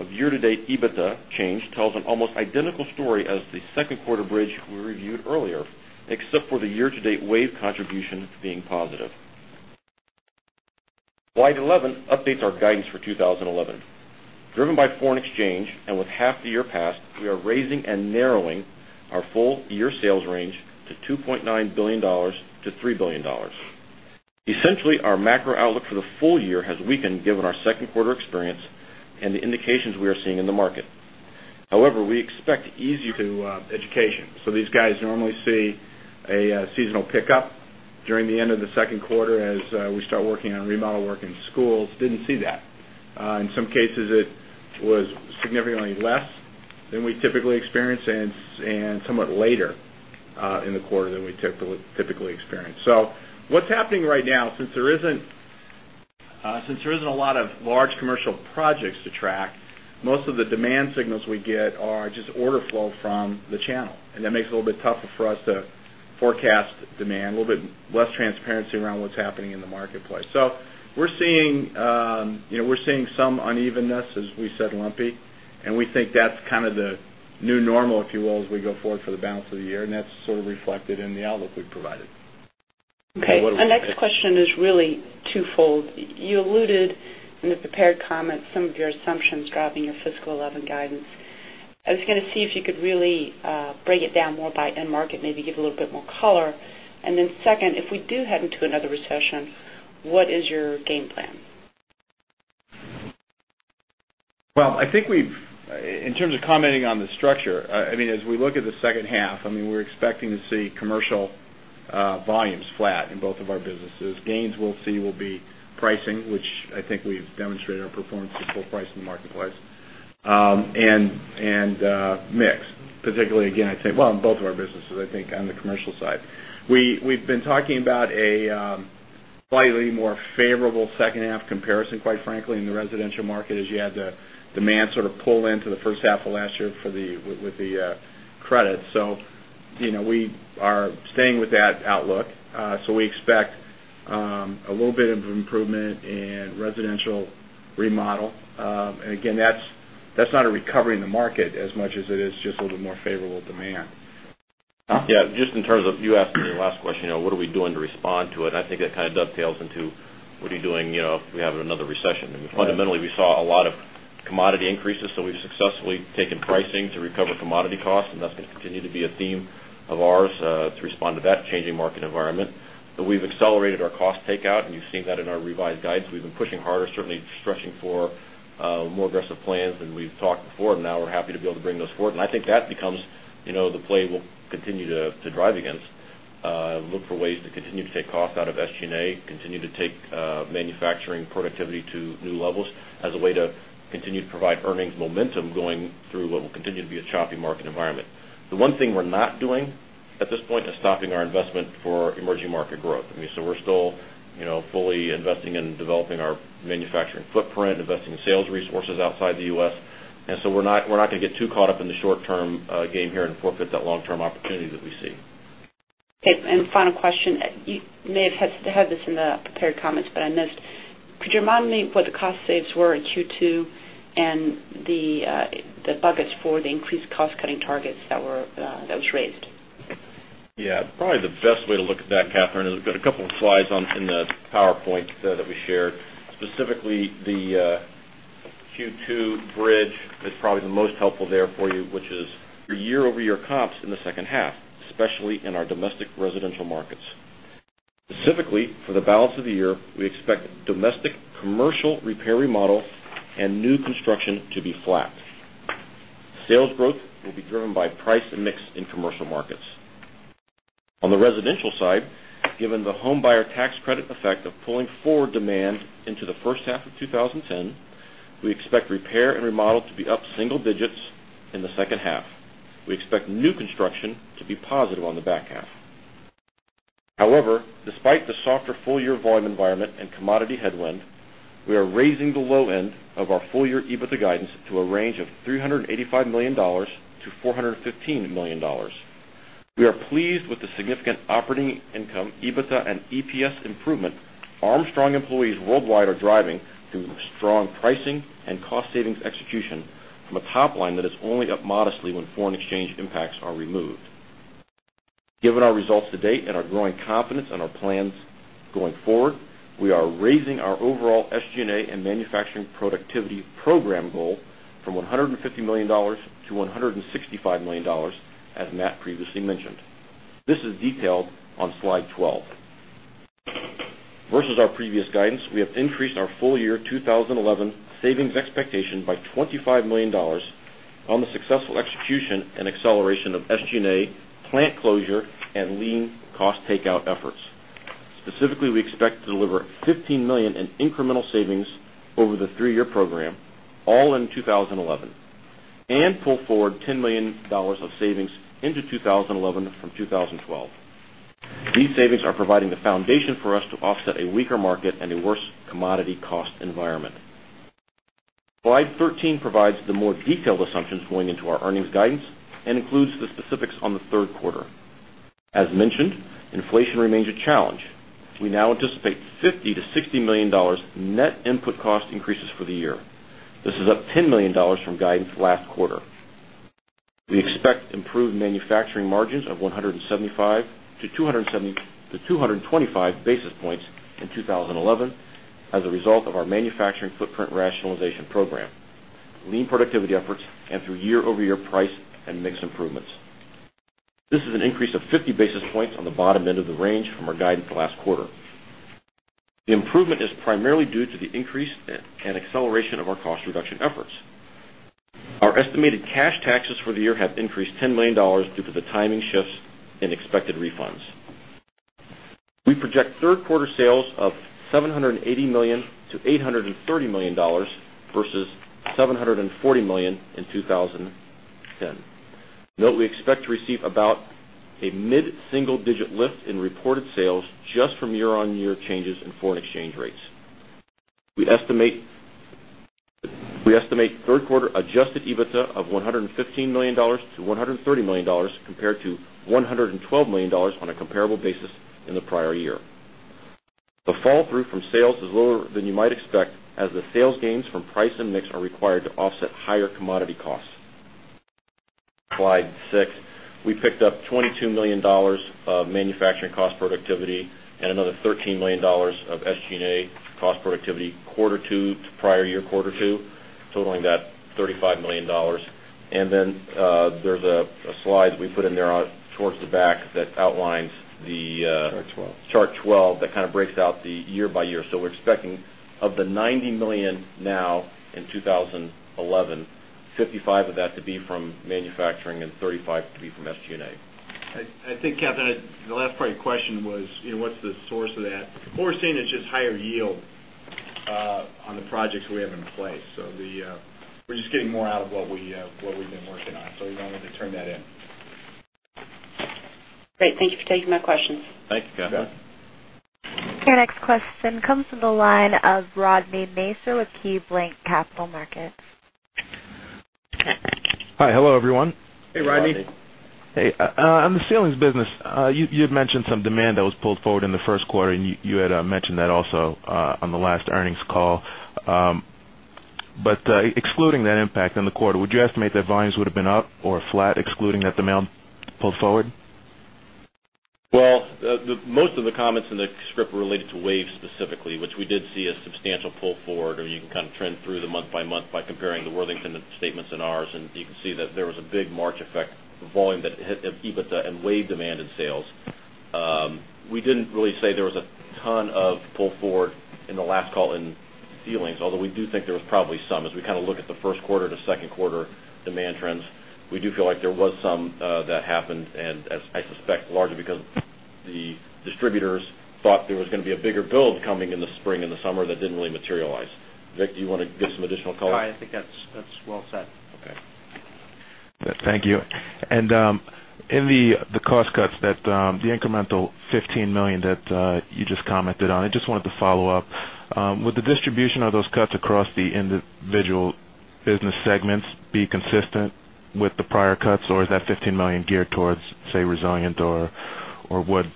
of year-to-date EBITDA change tells an almost identical story as the second quarter bridge we reviewed earlier, except for the year-to-date WAVE contribution being positive. Slide 11 updates our guidance for 2011. Driven by foreign exchange and with half the year passed, we are raising and narrowing our full-year sales range to $2.9 billion-$3 billion. Essentially, our macro outlook for the full year has weakened given our second quarter experience and the indications we are seeing in the market. However, we expect easier to education. These guys normally see a seasonal pickup during the end of the second quarter as we start working on remodel work in schools. Didn't see that. In some cases, it was significantly less than we typically experience and somewhat later in the quarter than we typically experience. What's happening right now, since there isn't a lot of large commercial projects to track, most of the demand signals we get are just order flow from the channel. That makes it a little bit tougher for us to forecast demand, a little bit less transparency around what's happening in the marketplace. We're seeing some unevenness, as we said, lumpy. We think that's kind of the new normal, if you will, as we go forward for the balance of the year. That's sort of reflected in the outlook we've provided. Okay. Our next question is really twofold. You alluded in the prepared comments to some of your assumptions driving your fiscal 2011 guidance. I was going to see if you could really break it down more by end market, maybe give a little bit more color. Then, if we do head into another recession, what is your game plan? I think we've, in terms of commenting on the structure, as we look at the second half, we're expecting to see commercial volumes flat in both of our businesses. Gains we'll see will be pricing, which I think we've demonstrated our performance to full price in the marketplace, and mix, particularly, again, I'd say, in both of our businesses, I think, on the commercial side. We've been talking about a slightly more favorable second half comparison, quite frankly, in the residential market as you had the demand sort of pull into the first half of last year with the credit. You know we are staying with that outlook. We expect a little bit of improvement in residential remodel, and again, that's not a recovery in the market as much as it is just a little bit more favorable demand. Tom. Yeah. Just in terms of you asked me the last question, you know, what are we doing to respond to it? I think that kind of dovetails into, what are you doing if we have another recession? I mean, fundamentally, we saw a lot of commodity increases. We've successfully taken pricing to recover commodity costs, and that's going to continue to be a theme of ours to respond to that changing market environment. We've accelerated our cost takeout, and you've seen that in our revised guidance. We've been pushing harder, certainly stretching for more aggressive plans than we've talked before, and now we're happy to be able to bring those forward. I think that becomes, you know, the play we'll continue to drive against. Look for ways to continue to take costs out of SG&A, continue to take manufacturing productivity to new levels as a way to continue to provide earnings momentum going through what will continue to be a choppy market environment. The one thing we're not doing at this point is stopping our investment for emerging market growth. I mean, we're still, you know, fully investing in developing our manufacturing footprint, investing in sales resources outside the U.S. We're not going to get too caught up in the short-term game here and forfeit that long-term opportunity that we see. Okay. Final question. You may have had this in the prepared comments, but I missed, could you remind me what the cost saves were in Q2 and the buckets for the increased cost-cutting targets that were raised? Yeah. Probably the best way to look at that, Kathryn, is we've got a couple of slides in the PowerPoint that we shared. Specifically, the Q2 bridge is probably the most helpful there for you, which is the year-over-year comps in the second half, especially in our domestic residential markets. Specifically, for the balance of the year, we expect domestic commercial repair remodel and new construction to be flat. Sales growth will be driven by price and mix in commercial markets. On the residential side, given the home buyer tax credit effect of pulling forward demand into the first half of 2010, we expect repair and remodel to be up single digits in the second half. We expect new construction to be positive on the back half. However, despite the softer full-year volume environment and commodity headwind, we are raising the low end of our full-year EBITDA guidance to a range of $385 million-$415 million. We are pleased with the significant operating income, EBITDA, and EPS improvement Armstrong employees worldwide are driving through strong pricing and cost savings execution, with a top line that is only up modestly when foreign exchange impacts are removed. Given our results to date and our growing confidence in our plans going forward, we are raising our overall SG&A and manufacturing productivity program goal from $150 million to $165 million, as Matt previously mentioned. This is detailed on slide 12. Versus our previous guidance, we have increased our full-year 2011 savings expectation by $25 million on the successful execution and acceleration of SG&A, plant closure, and lean cost takeout efforts. Specifically, we expect to deliver $15 million in incremental savings over the three-year program, all in 2011, and pull forward $10 million of savings into 2011 from 2012. These savings are providing the foundation for us to offset a weaker market and a worse commodity cost environment. Slide 13 provides the more detailed assumptions going into our earnings guidance and includes the specifics on the third quarter. As mentioned, inflation remains a challenge. We now anticipate $50 million-$60 million net input cost increases for the year. This is up $10 million from guidance last quarter. We expect improved manufacturing margins of 175-225 basis points in 2011 as a result of our manufacturing footprint rationalization program, lean productivity efforts, and through year-over-year price and mix improvements. This is an increase of 50 basis points on the bottom end of the range from our guidance last quarter. The improvement is primarily due to the increase and acceleration of our cost reduction efforts. Our estimated cash taxes for the year have increased $10 million due to the timing shifts and expected refunds. We project third quarter sales of $780 million-$830 million versus $740 million in 2010. Note, we expect to receive about a mid-single digit lift in reported sales just from year-on-year changes in foreign exchange rates. We estimate third quarter adjusted EBITDA of $115 million-$130 million compared to $112 million on a comparable basis in the prior year. The fall through from sales is lower than you might expect as the sales gains from price/mix are required to offset higher commodity costs. Slide six, we picked up $22 million of manufacturing cost productivity and another $13 million of SG&A cost productivity quarter two to prior year quarter two, totaling that $35 million. There is a slide that we put in there towards the back that outlines the chart 12 that kind of breaks out the year by year. We are expecting of the $90 million now in 2011, $55 million of that to be from manufacturing and $35 million to be from SG&A. I think, Kathryn, the last part of your question was, you know, what's the source of that? We're seeing it's just higher yield on the projects we have in place. We're just getting more out of what we've been working on. We wanted to turn that in. Great. Thank you for taking my questions. Thank you, Catherine. Our next question comes from the line of Rodny Nacier with KeyBanc Capital Markets. Hi. Hello, everyone. Hey, Rodny. Hey, on the ceilings business, you had mentioned some demand that was pulled forward in the first quarter, and you had mentioned that also on the last earnings call. Excluding that impact on the quarter, would you estimate that volumes would have been up or flat, excluding that demand pulled forward? Most of the comments in the script were related to WAVE specifically, which we did see a substantial pull forward. You can kind of trend through the month by month by comparing the Worthington statements and ours, and you can see that there was a big March effect, the volume that hit EBITDA and WAVE demand in sales. We didn't really say there was a ton of pull forward in the last call in ceilings, although we do think there was probably some. As we kind of look at the first quarter to second quarter demand trends, we do feel like there was some that happened, and as I suspect largely because the distributors thought there was going to be a bigger build coming in the spring and the summer that didn't really materialize. Vic, do you want to give some additional color? Sorry, I think that's well said. Okay. Thank you. In the cost cuts, the incremental $15 million that you just commented on, I just wanted to follow up. Would the distribution of those cuts across the individual business segments be consistent with the prior cuts, or is that $15 million geared towards, say, Resilient or what?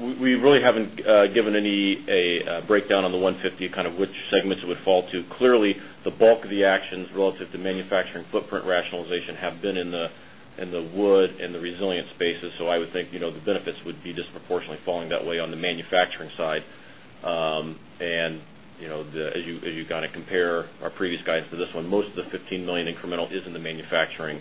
We really haven't given any breakdown on the $150 million, kind of which segments it would fall to. Clearly, the bulk of the actions relative to manufacturing footprint rationalization have been in the wood and the resilient spaces. I would think the benefits would be disproportionately falling that way on the manufacturing side. As you kind of compare our previous guidance to this one, most of the $15 million incremental is in the manufacturing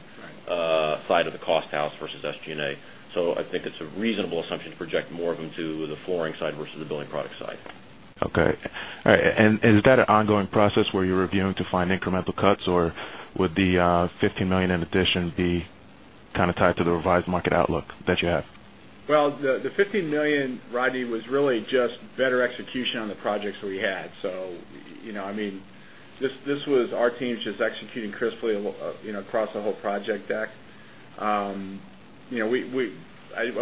side of the cost house versus SG&A. I think it's a reasonable assumption to project more of them to the flooring side versus the building products side. All right. Is that an ongoing process where you're reviewing to find incremental cuts, or would the $15 million in addition be kind of tied to the revised market outlook that you have? The $15 million, Rodny, was really just better execution on the projects we had. This was our team just executing crisply across the whole project deck. I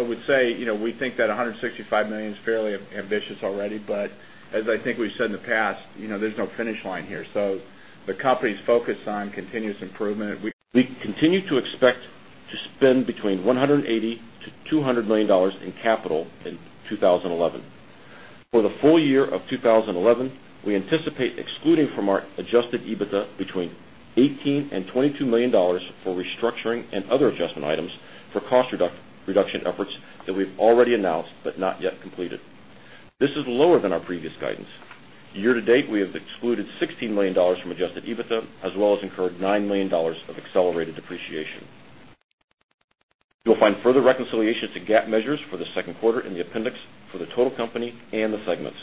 would say we think that $165 million is fairly ambitious already, but as I think we've said in the past, there's no finish line here. The company's focus is on continuous improvement. We continue to expect to spend between $180 million-$200 million in capital in 2011. For the full year of 2011, we anticipate excluding from our adjusted EBITDA between $18 and $22 million for restructuring and other adjustment items for cost reduction efforts that we've already announced but not yet completed. This is lower than our previous guidance. Year to date, we have excluded $16 million from adjusted EBITDA, as well as incurred $9 million of accelerated depreciation. You'll find further reconciliation to GAAP measures for the second quarter in the appendix for the total company and the segments.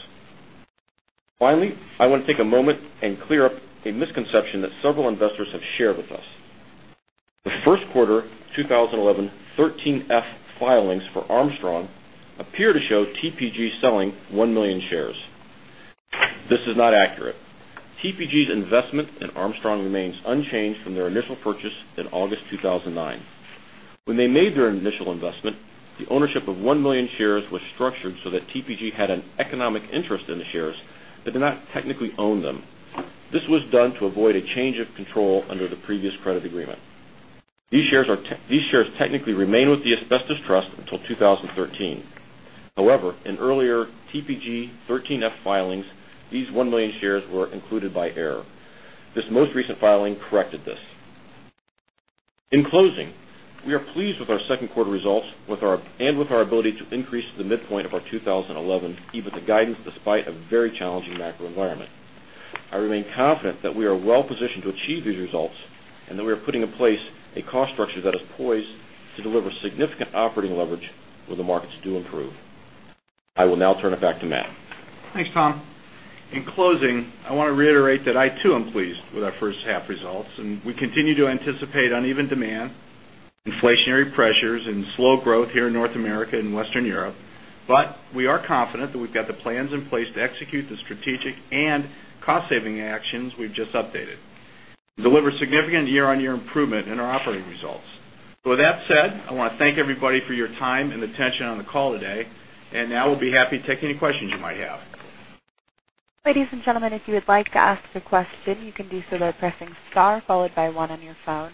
Finally, I want to take a moment and clear up a misconception that several investors have shared with us. The first quarter 2011 13F filings for Armstrong World Industries appear to show TPG selling 1 million shares. This is not accurate. TPG's investment in Armstrong World Industries remains unchanged from their initial purchase in August 2009. When they made their initial investment, the ownership of 1 million shares was structured so that TPG had an economic interest in the shares but did not technically own them. This was done to avoid a change of control under the previous credit agreement. These shares technically remain with the asbestos trust until 2013. However, in earlier TPG 13F filings, these 1 million shares were included by error. This most recent filing corrected this. In closing, we are pleased with our second quarter results and with our ability to increase the midpoint of our 2011 EBITDA guidance despite a very challenging macro environment. I remain confident that we are well positioned to achieve these results and that we are putting in place a cost structure that is poised to deliver significant operating leverage when the markets do improve. I will now turn it back to Matt. Thanks, Tom. In closing, I want to reiterate that I, too, am pleased with our first half results, and we continue to anticipate uneven demand, inflationary pressures, and slow growth here in North America and Western Europe. We are confident that we've got the plans in place to execute the strategic and cost-saving actions we've just updated and deliver significant year-on-year improvement in our operating results. With that said, I want to thank everybody for your time and attention on the call today, and now we'll be happy to take any questions you might have. Ladies and gentlemen, if you would like to ask your question, you can do so by pressing star followed by one on your phone.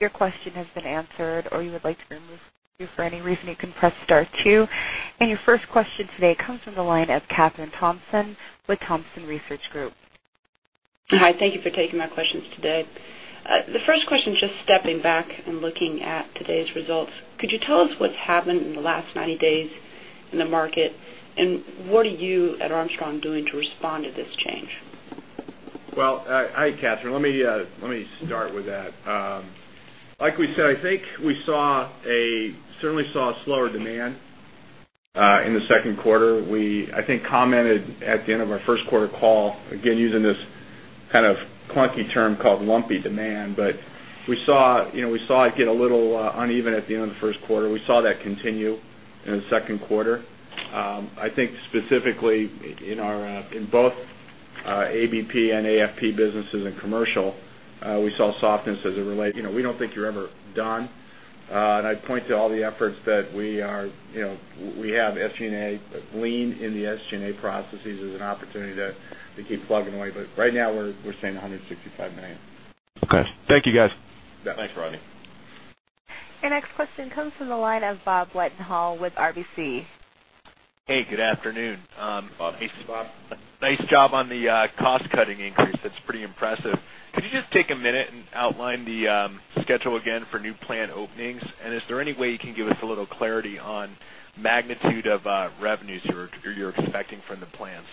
If your question has been answered or you would like to be removed for any reason, you can press star two. Your first question today comes from the line of Kathryn Thompson with Thomson Research Group. Hi. Thank you for taking my questions today. The first question, just stepping back and looking at today's results, could you tell us what's happened in the last 90 days in the market and what are you at Armstrong doing to respond to this change? Hi, Kathryn. Let me start with that. Like we said, I think we certainly saw a slower demand in the second quarter. I think we commented at the end of our first quarter call, again, using this kind of clunky term called lumpy demand. We saw it get a little uneven at the end of the first quarter. We saw that continue in the second quarter. I think specifically in both ABP and AFP businesses and commercial, we saw softness as it related. We don't think you're ever done. I point to all the efforts that we have, SG&A, lean in the SG&A processes as an opportunity to keep plugging away. Right now, we're saying $165 million. Okay, thank you, guys. Thanks, Rodny. Our next question comes from the line of Bob Wettenhall with RBC. Hey, good afternoon. Hey, Bob. Nice job on the cost-cutting increase. That's pretty impressive. Could you just take a minute and outline the schedule again for new plant openings? Is there any way you can give us a little clarity on the magnitude of revenues you're expecting from the plants?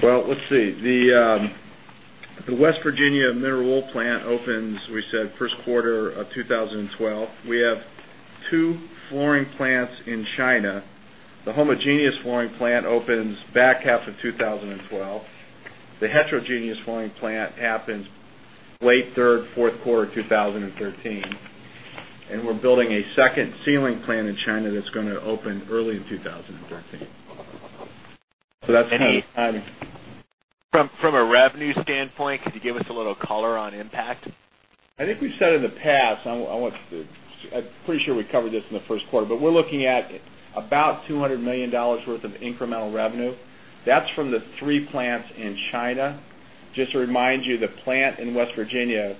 The West Virginia mineral wool plant opens, we said, first quarter of 2012. We have two flooring plants in China. The homogeneous flooring plant opens back half of 2012. The heterogeneous flooring plant happens late third, fourth quarter of 2013. We're building a second ceiling plant in China that's going to open early in 2013. From a revenue standpoint, could you give us a little color on impact? I think we've said in the past, I'm pretty sure we covered this in the first quarter, but we're looking at about $200 million worth of incremental revenue. That's from the three plants in China. Just to remind you, the plant in West Virginia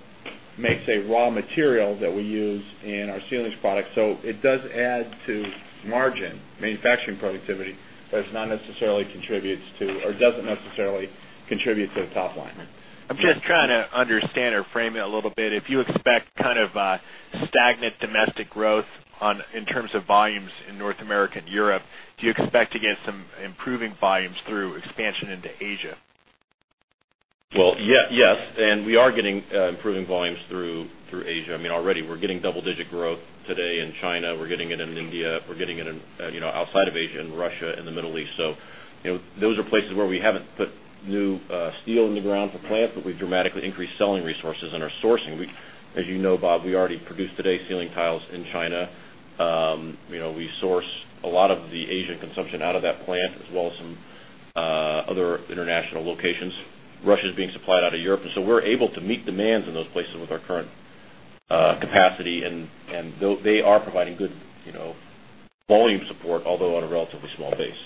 makes a raw material that we use in our ceiling products. It does add to margin manufacturing productivity, but it doesn't necessarily contribute to the top line. I'm just trying to understand or frame it a little bit. If you expect kind of a stagnant domestic growth in terms of volumes in North America and Europe, do you expect to get some improving volumes through expansion into Asia? Yes, we are getting improving volumes through Asia. I mean, already, we're getting double-digit growth today in China. We're getting it in India. We're getting it outside of Asia and Russia and the Middle East. Those are places where we haven't put new steel in the ground for plants, but we've dramatically increased selling resources and our sourcing. As you know, Bob, we already produce today ceiling tiles in China. We source a lot of the Asian consumption out of that plant, as well as some other international locations. Russia is being supplied out of Europe. We are able to meet demands in those places with our current capacity, and they are providing good volume support, although on a relatively small base.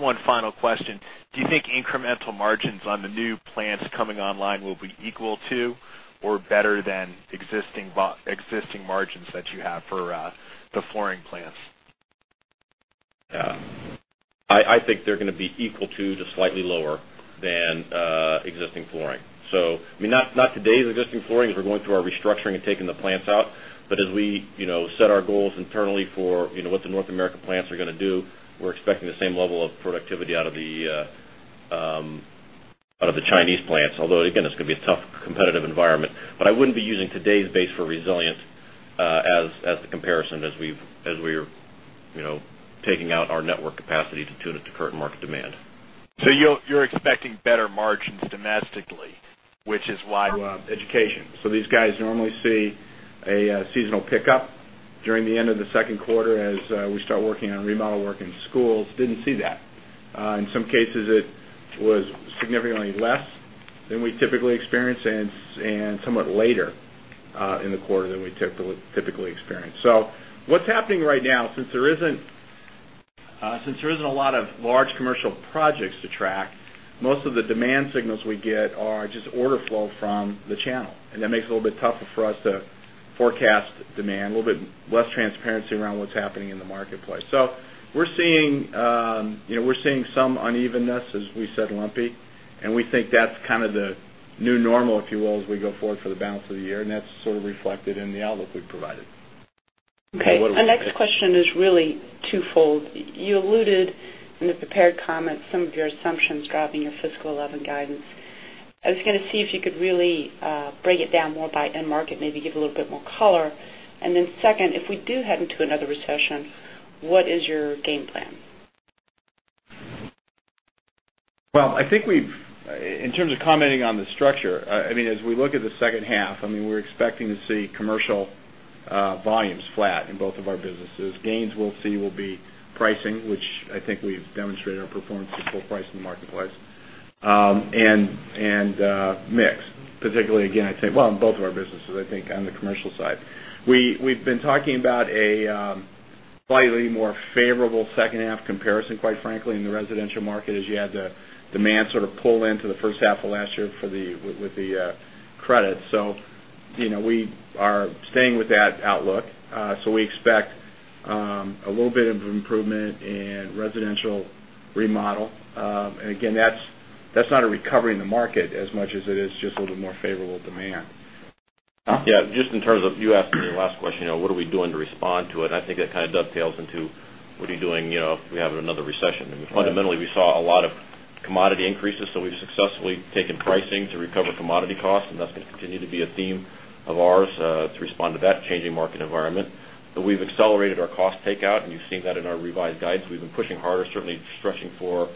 One final question. Do you think incremental margins on the new plants coming online will be equal to or better than existing margins that you have for the flooring plants? I think they're going to be equal to or slightly lower than existing flooring. I mean, not today's existing flooring as we're going through our restructuring and taking the plants out, but as we set our goals internally for what the North American plants are going to do, we're expecting the same level of productivity out of the Chinese plants. Although, again, it's going to be a tough competitive environment. I wouldn't be using today's base for resilient as the comparison as we're taking out our network capacity to tune it to current market demand. You are expecting better margins domestically, which is why. To education. These guys normally see a seasonal pickup during the end of the second quarter as we start working on remodel work in schools. Didn't see that. In some cases, it was significantly less than we typically experience and somewhat later in the quarter than we typically experience. What's happening right now, since there isn't a lot of large commercial projects to track, most of the demand signals we get are just order flow from the channel. That makes it a little bit tougher for us to forecast demand, a little bit less transparency around what's happening in the marketplace. We're seeing some unevenness, as we said, lumpy. We think that's kind of the new normal, if you will, as we go forward for the balance of the year. That's sort of reflected in the outlook we've provided. Okay. Our next question is really twofold. You alluded in the prepared comments to some of your assumptions driving your fiscal 2011 guidance. I was going to see if you could really break it down more by end market, maybe give a little bit more color. Then, if we do head into another recession, what is your game plan? I think we've, in terms of commenting on the structure, as we look at the second half, we're expecting to see commercial volumes flat in both of our businesses. Gains we'll see will be pricing, which I think we've demonstrated our performance to full price in the marketplace, and mix, particularly, again, I think, in both of our businesses, on the commercial side. We've been talking about a slightly more favorable second half comparison, quite frankly, in the residential market as you had the demand sort of pull into the first half of last year with the credit. We are staying with that outlook. We expect a little bit of improvement in residential remodel, and again, that's not a recovery in the market as much as it is just a little bit more favorable demand. Yeah. Just in terms of you asked the last question, you know, what are we doing to respond to it? I think that kind of dovetails into what are you doing if we have another recession? I mean, fundamentally, we saw a lot of commodity increases, so we've successfully taken pricing to recover commodity costs, and that's going to continue to be a theme of ours to respond to that changing market environment. We've accelerated our cost takeout, and you've seen that in our revised guidance. We've been pushing harder, certainly stretching for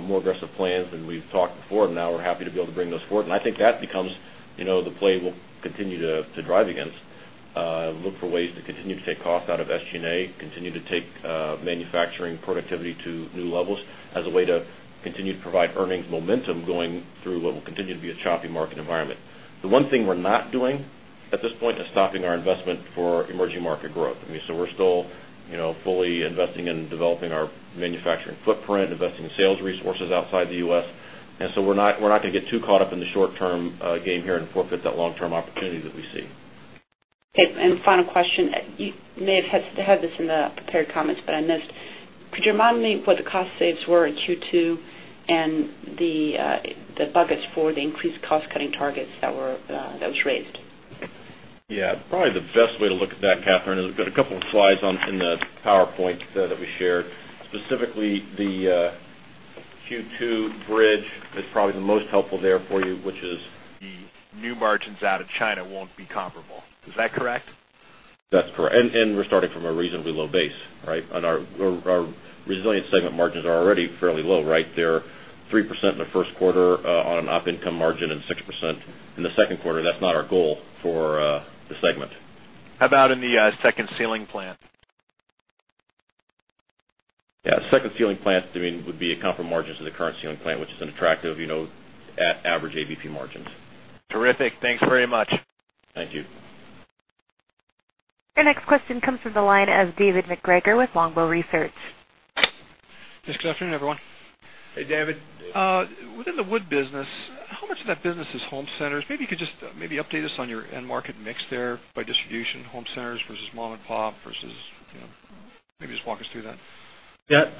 more aggressive plans than we've talked before, and now we're happy to be able to bring those forward. I think that becomes the play we'll continue to drive against. Look for ways to continue to take costs out of SG&A, continue to take manufacturing productivity to new levels as a way to continue to provide earnings momentum going through what will continue to be a choppy market environment. The one thing we're not doing at this point is stopping our investment for emerging market growth. I mean, we're still fully investing in developing our manufacturing footprint, investing in sales resources outside the U.S., and we're not going to get too caught up in the short-term game here and forfeit that long-term opportunity that we see. Okay. Final question. You may have had this in the prepared comments, but I missed, could you remind me what the cost saves were in Q2 and the buckets for the increased cost-cutting targets that were raised? Yeah. Probably the best way to look at that, Kathryn, is we've got a couple of slides in the PowerPoint that we shared. Specifically, the Q2 bridge, that's probably the most helpful there for you, which is the new margins out of China won't be comparable. Is that correct? That's correct. We're starting from a reasonably low base, right? Our resilient segment margins are already fairly low, right? They're 3% in the first quarter on an op income margin and 6% in the second quarter. That's not our goal for the segment. How about in the second ceilings plant? Yeah. Second ceiling plants, I mean, would be at comparable margins to the current ceiling plant, which is an attractive, you know, average ABP margin. Thanks very much. Thank you. Our next question comes from the line of David McGregor with Longbow Research. Good afternoon, everyone. Hey, David. Within the wood business, how much of that business is home centered? Maybe you could just update us on your end market mix there by distribution, home centers versus mom-and-pop versus, you know, maybe just walk us through that. Yeah.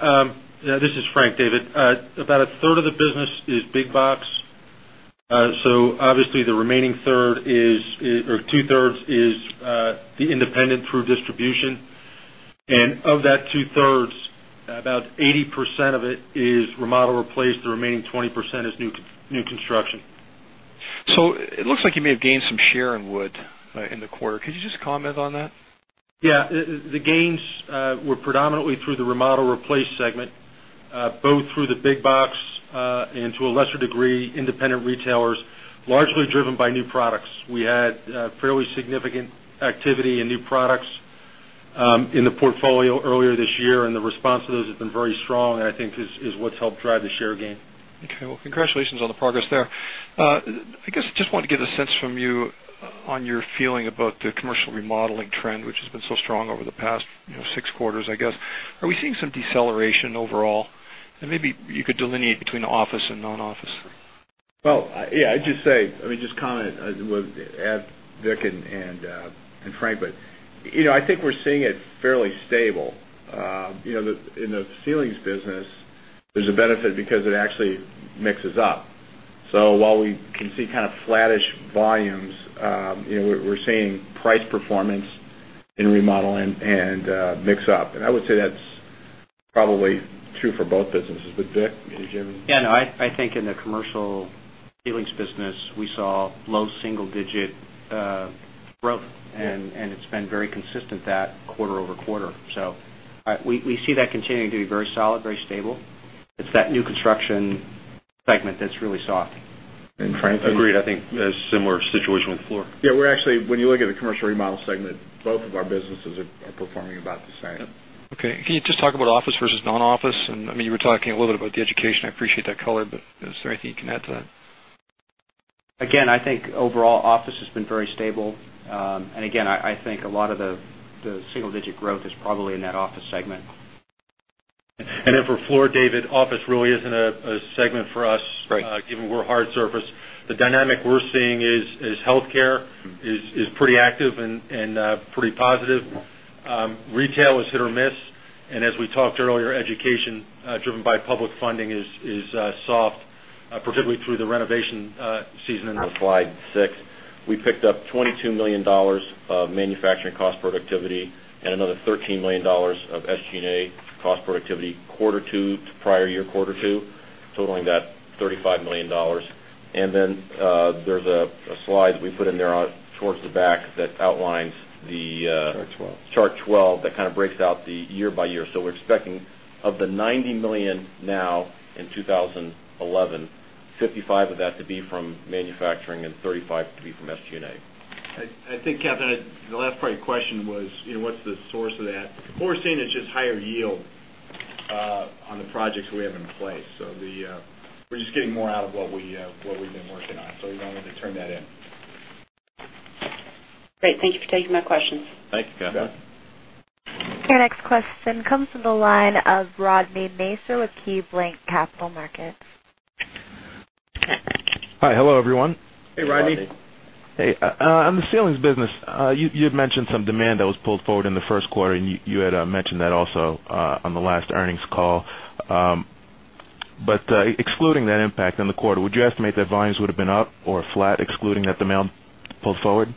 This is Frank, David. About a third of the business is big box. Obviously, the remaining two-thirds is the independent through distribution. Of that two-thirds, about 80% of it is remodel replaced. The remaining 20% is new construction. It looks like you may have gained some share in wood in the quarter. Could you just comment on that? Yeah. The gains were predominantly through the remodel replace segment, both through the big box and, to a lesser degree, independent retailers, largely driven by new products. We had fairly significant activity in new products in the portfolio earlier this year, and the response to those has been very strong, I think, is what's helped drive the share gain. Okay. Congratulations on the progress there. I guess I just wanted to get a sense from you on your feeling about the commercial remodeling trend, which has been so strong over the past six quarters, I guess. Are we seeing some deceleration overall? Maybe you could delineate between office and non-office. I’d just say, I mean, just comment with Vic and Frank. I think we’re seeing it fairly stable. You know, in the ceilings business, there’s a benefit because it actually mixes up. While we can see kind of flattish volumes, you know, we’re seeing price performance in remodeling and mix up. I would say that’s probably true for both businesses. Vic, you know, Jim. Yeah. No, I think in the commercial ceilings business, we saw low single-digit growth, and it's been very consistent quarter-over-quarter. We see that continuing to be very solid, very stable. It's that new construction segment that's really soft. And Frank. Agreed. I think a similar situation with the floor. Yeah, we're actually, when you look at the commercial remodel segment, both of our businesses are performing about the same. Okay. Can you just talk about office versus non-office? I mean, you were talking a little bit about the education. I appreciate that color, but is there anything you can add to that? I think overall office has been very stable. I think a lot of the single-digit growth is probably in that office segment. For floor, David, office really isn't a segment for us, given we're hard surface. The dynamic we're seeing is healthcare is pretty active and pretty positive. Retail is hit or miss, and as we talked earlier, education driven by public funding is soft, particularly through the renovation season. On slide six, we picked up $22 million of manufacturing cost productivity and another $13 million of SG&A cost productivity quarter two to prior year quarter two, totaling that $35 million. There's a slide that we put in there towards the back that outlines the. Chart 12. Chart 12 that kind of breaks out the year by year. We're expecting of the $90 million now in 2011, $55 million of that to be from manufacturing and $35 million to be from SG&A. I think, Kathryn, the last part of your question was, you know, what's the source of that? We're seeing it's just higher yield on the projects we have in place. We're just getting more out of what we've been working on. We wanted to turn that in. Great. Thank you for taking my questions. Thank you, Kathryn. Our next question comes from the line of Rodny Nacier with KeyBanc Capital Markets. Hi. Hello, everyone. Hey, Rodny. Hey. In the ceilings business, you had mentioned some demand that was pulled forward in the first quarter, and you had a much. Also, on the last earnings call, excluding that impact on the quarter, would you estimate that volumes would have been up or flat, excluding that demand pulled forward?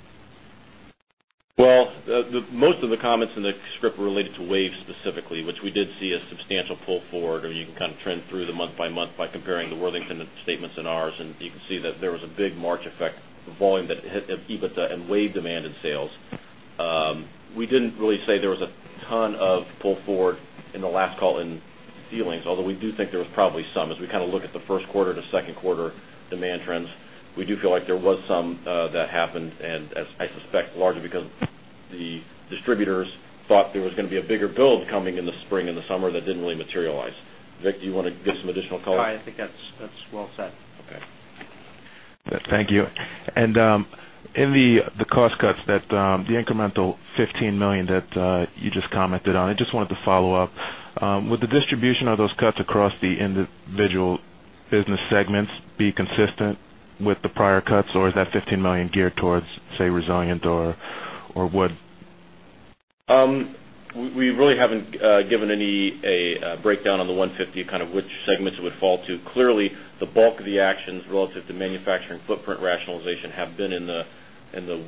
Most of the comments in the script were related to waves specifically, which we did see a substantial pull forward. You can kind of trend through the month by month by comparing the Worthington statements and ours, and you can see that there was a big March effect, the volume that hit EBITDA and wave demand in sales. We didn't really say there was a ton of pull forward in the last call in ceilings, although we do think there was probably some. As we kind of look at the first quarter to second quarter demand trends, we do feel like there was some that happened, and I suspect largely because the distributors thought there was going to be a bigger build coming in the spring and the summer that didn't really materialize. Vic, do you want to give some additional color? I think that's well said. Thank you. In the cost cuts that, the incremental $15 million that you just commented on, I just wanted to follow up. Would the distribution of those cuts across the individual business segments be consistent with the prior cuts, or is that $15 million geared towards, say, resilient or wood? We really haven't given any breakdown on the $150 million, kind of which segments it would fall to. Clearly, the bulk of the actions relative to manufacturing footprint rationalization have been in the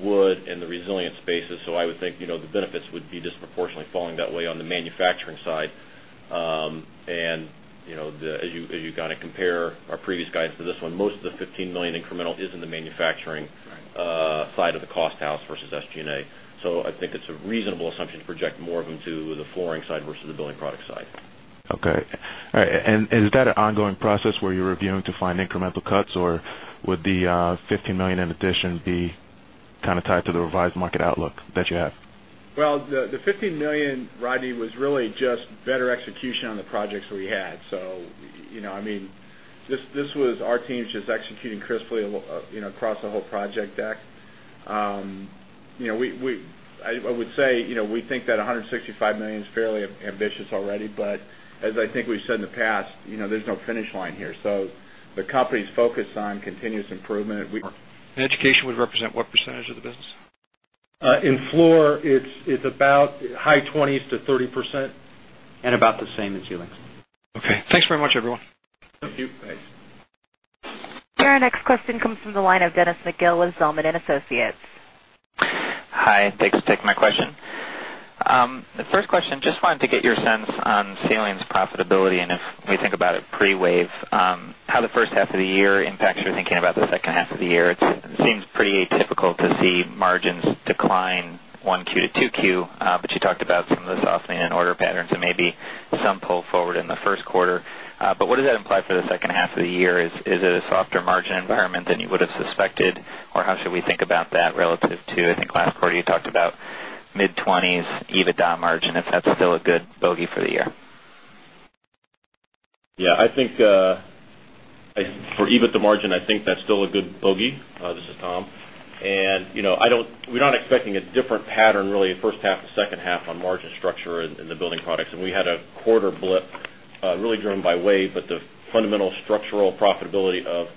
wood and the resilient spaces, so I would think the benefits would be disproportionately falling that way on the manufacturing side. As you kind of compare our previous guidance to this one, most of the $15 million incremental is in the manufacturing side of the cost house vs SG&A. I think it's a reasonable assumption to project more of them to the flooring side versus the building products side. All right. Is that an ongoing process where you're reviewing to find incremental cuts, or would the $15 million in addition be kind of tied to the revised market outlook that you have? The $15 million, Rodny, was really just better execution on the projects we had. This was our team just executing crisply across the whole project deck. I would say we think that $165 million is fairly ambitious already, but as I think we've said in the past, there's no finish line here. The company's focus is on continuous improvement. Floor. Education would represent what % of the business? In floor, it's about high 20s to 30%. About the same in Ceilings. Okay, thanks very much, everyone. Your next question comes from the line of Dennis McGill with Zelman & Associates. Hi. Thanks for taking my question. The first question, just wanted to get your sense on ceilings profitability and if we think about it pre-wave, how the first half of the year impacts your thinking about the second half of the year. It seems pretty atypical to see margins decline 1Q to 2Q, but you talked about some of the softening in order patterns and maybe some pull forward in the first quarter. What does that imply for the second half of the year? Is it a softer margin environment than you would have suspected, or how should we think about that relative to, I think, last quarter you talked about mid-20s EBITDA margin if that's still a good bogey for the year? Yeah, I think, for EBITDA margin, I think that's still a good bogey. This is Tom. You know, we're not expecting a different pattern really in the first half to second half on margin structure in the building products. We had a quarter blip really driven by wave, but the fundamental structural profitability of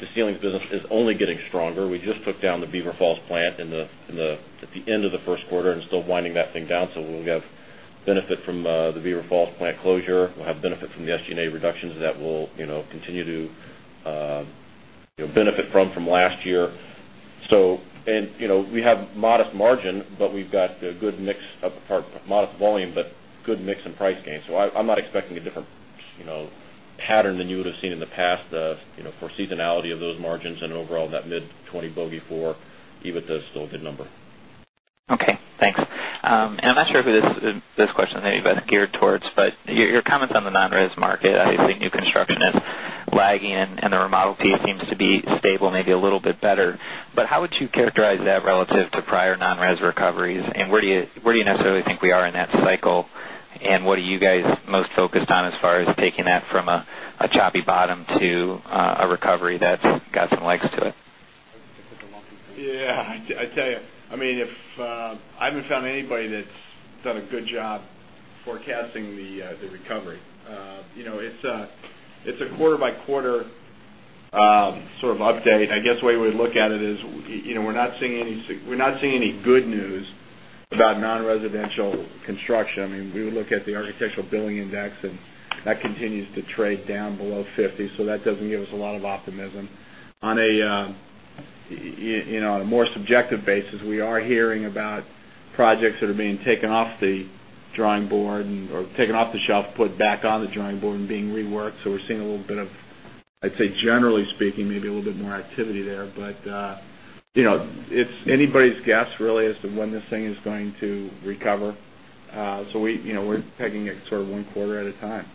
the ceilings business is only getting stronger. We just took down the Beaver Falls plant at the end of the first quarter and still winding that thing down. We'll have benefit from the Beaver Falls plant closure. We'll have benefit from the SG&A reductions that we'll continue to benefit from from last year. We have modest margin, but we've got a good mix of, pardon, modest volume, but good mix in price gain. I'm not expecting a different pattern than you would have seen in the past, for seasonality of those margins and overall that mid-20% bogey for EBITDA is still a good number. Okay. Thanks. I'm not sure who this question is maybe, but geared towards, your comments on the non-res market, I think new construction is lagging and the remodel piece seems to be stable, maybe a little bit better. How would you characterize that relative to prior non-res recoveries? Where do you necessarily think we are in that cycle? What are you guys most focused on as far as taking that from a choppy bottom to a recovery that's got some legs to it? Yeah, I tell you, I mean, I haven't found anybody that's done a good job forecasting the recovery. It's a quarter by quarter sort of update. I guess the way we would look at it is, we're not seeing any good news about non-residential construction. I mean, we would look at the architectural billing index and that continues to trade down below 50. That doesn't give us a lot of optimism. On a more subjective basis, we are hearing about projects that are being taken off the drawing board or taken off the shelf, put back on the drawing board, and being reworked. We're seeing a little bit of, I'd say, generally speaking, maybe a little bit more activity there. It's anybody's guess really as to when this thing is going to recover. We are taking it sort of one quarter at a time.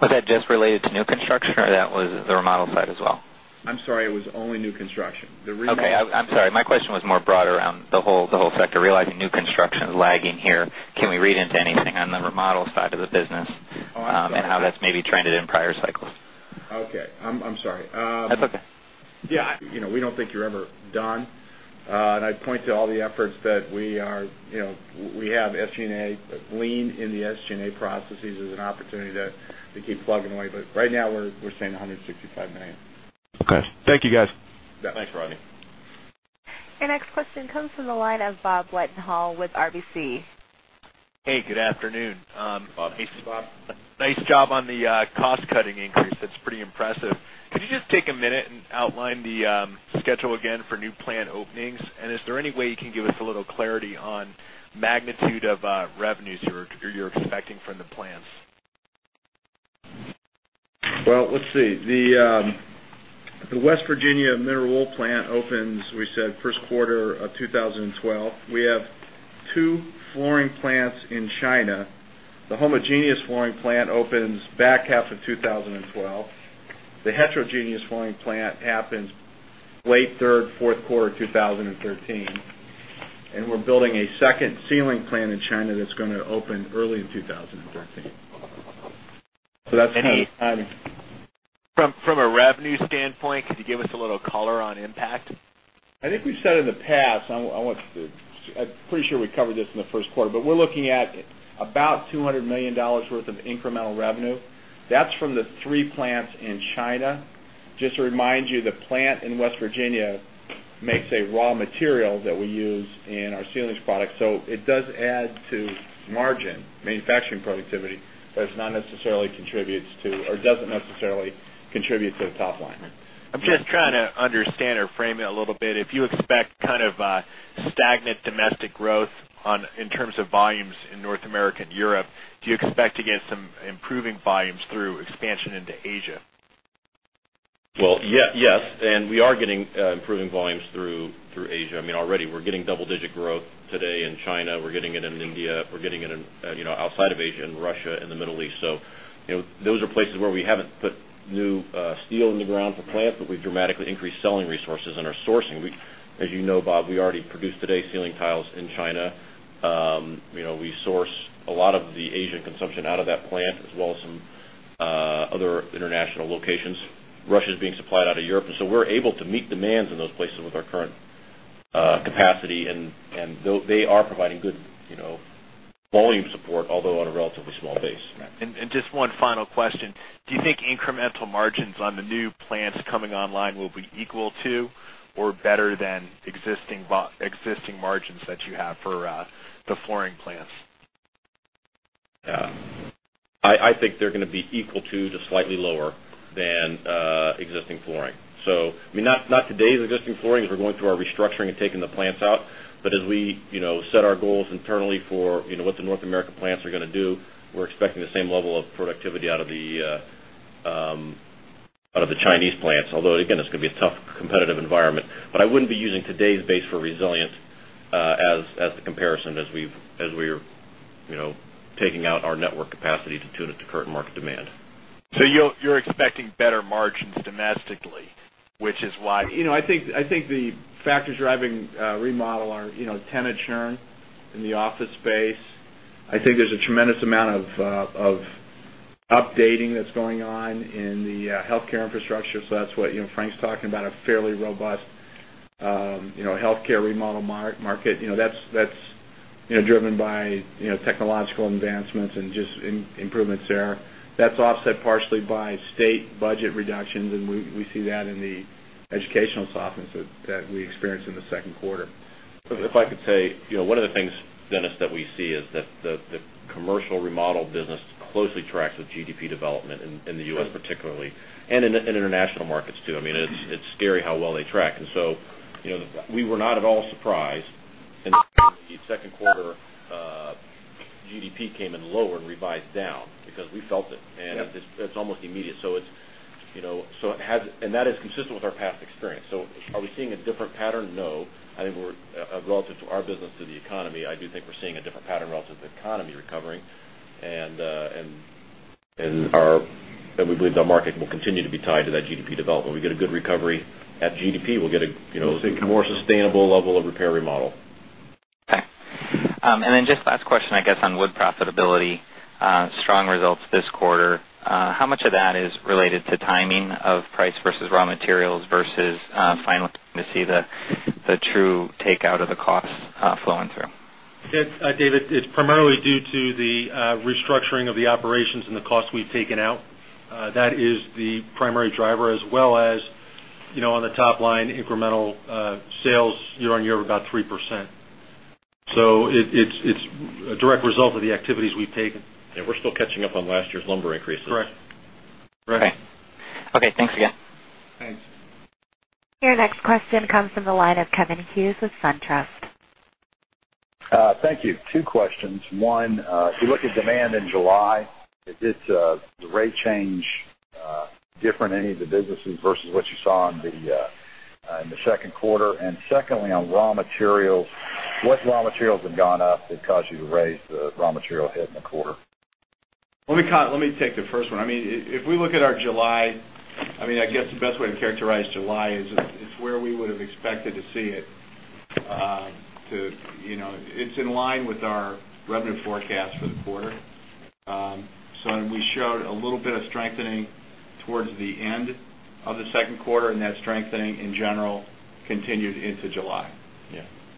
Was that just related to new construction, or was that the remodel side as well? I'm sorry, it was only new construction. Okay. I'm sorry. My question was more broader around the whole factor, realizing new construction is lagging here. Can we read into anything on the remodel side of the business, and how that's maybe trended in prior cycles? Okay, I'm sorry. That's okay. Yeah, you know, we don't think you're ever done. I'd point to all the efforts that we are, you know, we have SG&A, but lean in the SG&A processes as an opportunity to keep plugging away. Right now we're saying $165 million. Okay, thank you, guys. Thanks, Rodny. Your next question comes from the line of Bob Wetenhall with RBC. Hey, good afternoon. Hey, Bob. Nice job on the cost-cutting increase. That's pretty impressive. Could you just take a minute and outline the schedule again for new plant openings? Is there any way you can give us a little clarity on the magnitude of revenues you're expecting from the plants? The West Virginia mineral wool plant opens, we said, first quarter of 2012. We have two flooring plants in China. The homogeneous flooring plant opens back half of 2012. The heterogeneous flooring plant happens late third, fourth quarter of 2013. We're building a second ceiling plant in China that's going to open early in 2013. From a revenue standpoint, could you give us a little color on impact? I think we've said in the past, I'm pretty sure we covered this in the first quarter, but we're looking at about $200 million worth of incremental revenue. That's from the three plants in China. Just to remind you, the plant in West Virginia makes a raw material that we use in our ceiling products. It does add to margin and manufacturing productivity, but it does not necessarily contribute to the top line. I'm just trying to understand or frame it a little bit. If you expect kind of a stagnant domestic growth in terms of volumes in North America and Europe, do you expect to get some improving volumes through expansion into Asia? Yes, we are getting improving volumes through Asia. Already we're getting double-digit growth today in China. We're getting it in India. We're getting it, you know, outside of Asia, in Russia, in the Middle East. Those are places where we haven't put new steel in the ground for plants, but we've dramatically increased selling resources and our sourcing. As you know, Bob, we already produce today ceiling tiles in China. We source a lot of the Asian consumption out of that plant as well as some other international locations. Russia is being supplied out of Europe, and we're able to meet demands in those places with our current capacity. They are providing good volume support, although on a relatively small base. Right. Just one final question. Do you think incremental margins on the new plants coming online will be equal to or better than existing margins that you have for the flooring plants? I think they're going to be equal to or slightly lower than existing flooring. I mean, not today's existing flooring as we're going through our restructuring and taking the plants out. As we set our goals internally for what the North America plants are going to do, we're expecting the same level of productivity out of the Chinese plants. Although, again, it's going to be a tough competitive environment. I wouldn't be using today's base for resilient as the comparison as we're taking out our network capacity to tune it to current market demand. You're expecting better margins domestically, which is why. I think the factors driving remodel are tenant churn in the office space. I think there's a tremendous amount of updating that's going on in the healthcare infrastructure. That's what Frank's talking about, a fairly robust healthcare remodel market. That's driven by technological advancements and just improvements there. That's offset partially by state budget reductions. We see that in the educational softness that we experienced in the second quarter. If I could say, one of the things, Dennis, that we see is that the commercial remodel business closely tracks with GDP development in the U.S. particularly and in international markets too. It's scary how well they track. We were not at all surprised in the second quarter, GDP came in lower and revised down because we felt it. It's almost immediate. That is consistent with our past experience. Are we seeing a different pattern? No. I think relative to our business to the economy, I do think we're seeing a different pattern relative to the economy recovering. We believe the market will continue to be tied to that GDP development. We get a good recovery at GDP, we'll get a more sustainable level of repair remodel. Okay, and then just last question, I guess, on wood profitability, strong results this quarter. How much of that is related to timing of price versus raw materials versus final? To see the true takeout of the costs flowing through? David, it's primarily due to the restructuring of the operations and the costs we've taken out. That is the primary driver as well as, you know, on the top line, incremental sales year on year of about 3%. It's a direct result of the activities we've taken. We are still catching up on last year's lumber increases. Correct. Correct. Okay. Thanks again. Thanks. Your next question comes from the line of Keith Hughes with SunTrust. Thank you. Two questions. One, if you look at demand in July, is this rate change different in any of the businesses versus what you saw in the second quarter? Secondly, on raw material, what's raw material that gone up that caused you to raise the raw material hit in the quarter? Let me take the first one. If we look at our July, I guess the best way to characterize July is it's where we would have expected to see it. It's in line with our revenue forecast for the quarter, and we showed a little bit of strengthening towards the end of the second quarter. That strengthening in general continued into July.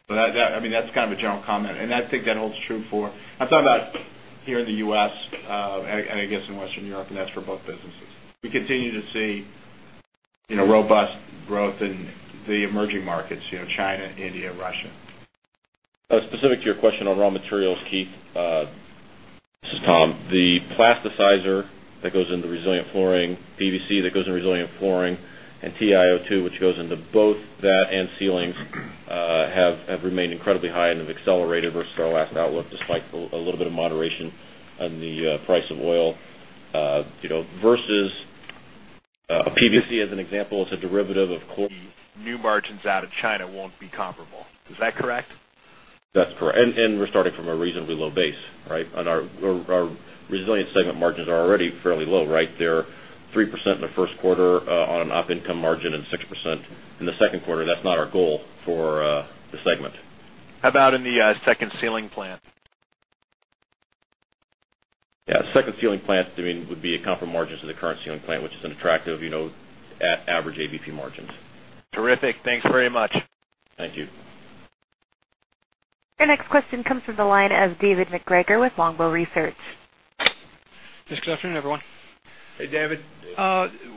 That's kind of a general comment. I think that holds true for, I'm talking about here in the U.S., and I guess in Western Europe, and that's for both businesses. We continue to see robust growth in the emerging markets, China, India, Russia. Specific to your question on raw materials, Keith, this is Tom. The plasticizer that goes into resilient flooring, PVC that goes into resilient flooring, and titanium dioxide, which goes into both that and ceilings, have remained incredibly high and have accelerated versus our last outlook despite a little bit of moderation on the price of oil, you know, versus a PVC as an example is a derivative of. The new margins out of China won't be comparable. Is that correct? That's correct. We're starting from a reasonably low base, right? Our resilient segment margins are already fairly low, right? They're 3% in the first quarter on an op income margin and 6% in the second quarter. That's not our goal for the segment. How about in the second ceilings plant? Yeah. Second ceiling plants, I mean, would be a comparable margin to the current ceiling plant, which is an attractive, you know, average AVP margins. Terrific. Thanks very much. Thank you. Your next question comes from the line of David McGregor with Longbow Research. Good afternoon, everyone. Hey, David.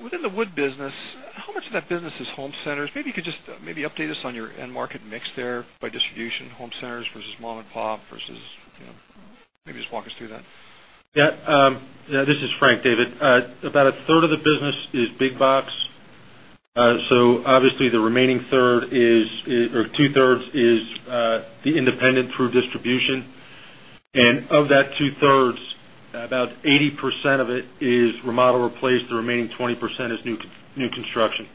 Within the wood business, how much of that business is home centers? Maybe you could just update us on your end market mix there by distribution, home centers vs mom-and-pop versus, you know, maybe just walk us through that. Yeah, this is Frank, David. About a third of the business is big box. Obviously, the remaining two-thirds is the independent through distribution. Of that two-thirds, about 80% of it is remodel replaced. The remaining 20% is new construction.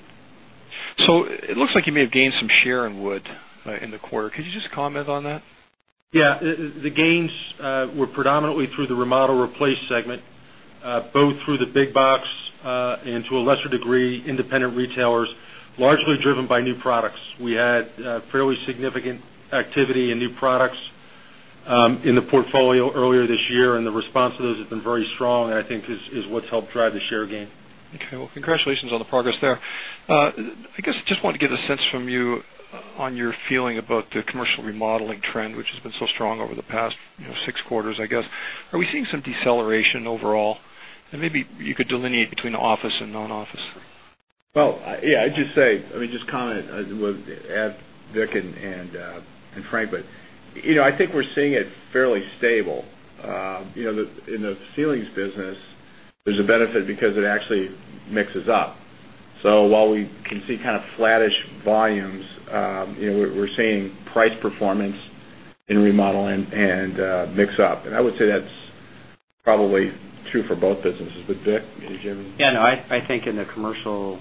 It looks like you may have gained some share in wood in the quarter. Could you just comment on that? Yeah. The gains were predominantly through the remodel replace segment, both through the big box, and to a lesser degree, independent retailers, largely driven by new products. We had fairly significant activity in new products in the portfolio earlier this year, and the response to those has been very strong, and I think is what's helped drive the share gain. Okay. Congratulations on the progress there. I guess I just wanted to get a sense from you on your feeling about the commercial remodeling trend, which has been so strong over the past six quarters, I guess. Are we seeing some deceleration overall? Maybe you could delineate between the office and non-office. I'd just say, I mean, just comment with Vic and Frank, but you know, I think we're seeing it fairly stable. You know, in the ceilings business, there's a benefit because it actually mixes up. While we can see kind of flattish volumes, you know, we're seeing price performance in remodeling and mix up. I would say that's probably true for both businesses. Vic, did you have any? Yeah, no, I think in the commercial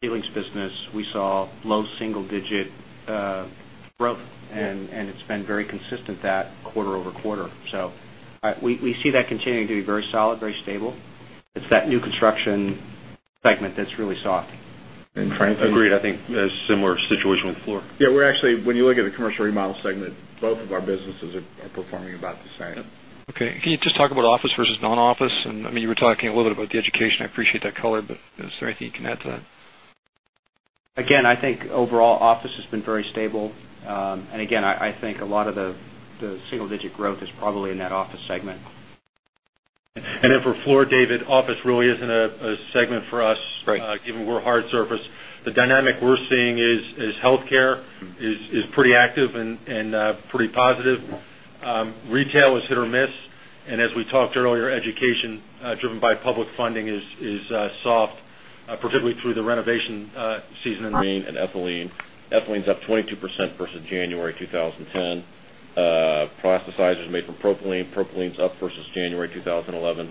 ceilings business, we saw low single-digit growth, and it's been very consistent quarter-over-quarter. We see that continuing to be very solid, very stable. It's that new construction segment that's really soft. And Frank? Agreed. I think a similar situation with flooring. Yeah, when you look at the commercial remodel segment, both of our businesses are performing about the same. Okay. Can you just talk about office versus non-office? I mean, you were talking a little bit about the education. I appreciate that color, but is there anything you can add to that? I think overall office has been very stable. I think a lot of the single-digit growth is probably in that office segment. For floor, David, office really isn't a segment for us, given we're a hard surface. The dynamic we're seeing is healthcare is pretty active and pretty positive. Retail is hit or miss, and as we talked earlier, education driven by public funding is soft, particularly through the renovation season. Being an ethylene. Ethylene's up 22% vs January 2010. Plasticizer is made from propylene. Propylene's up vs January 2011.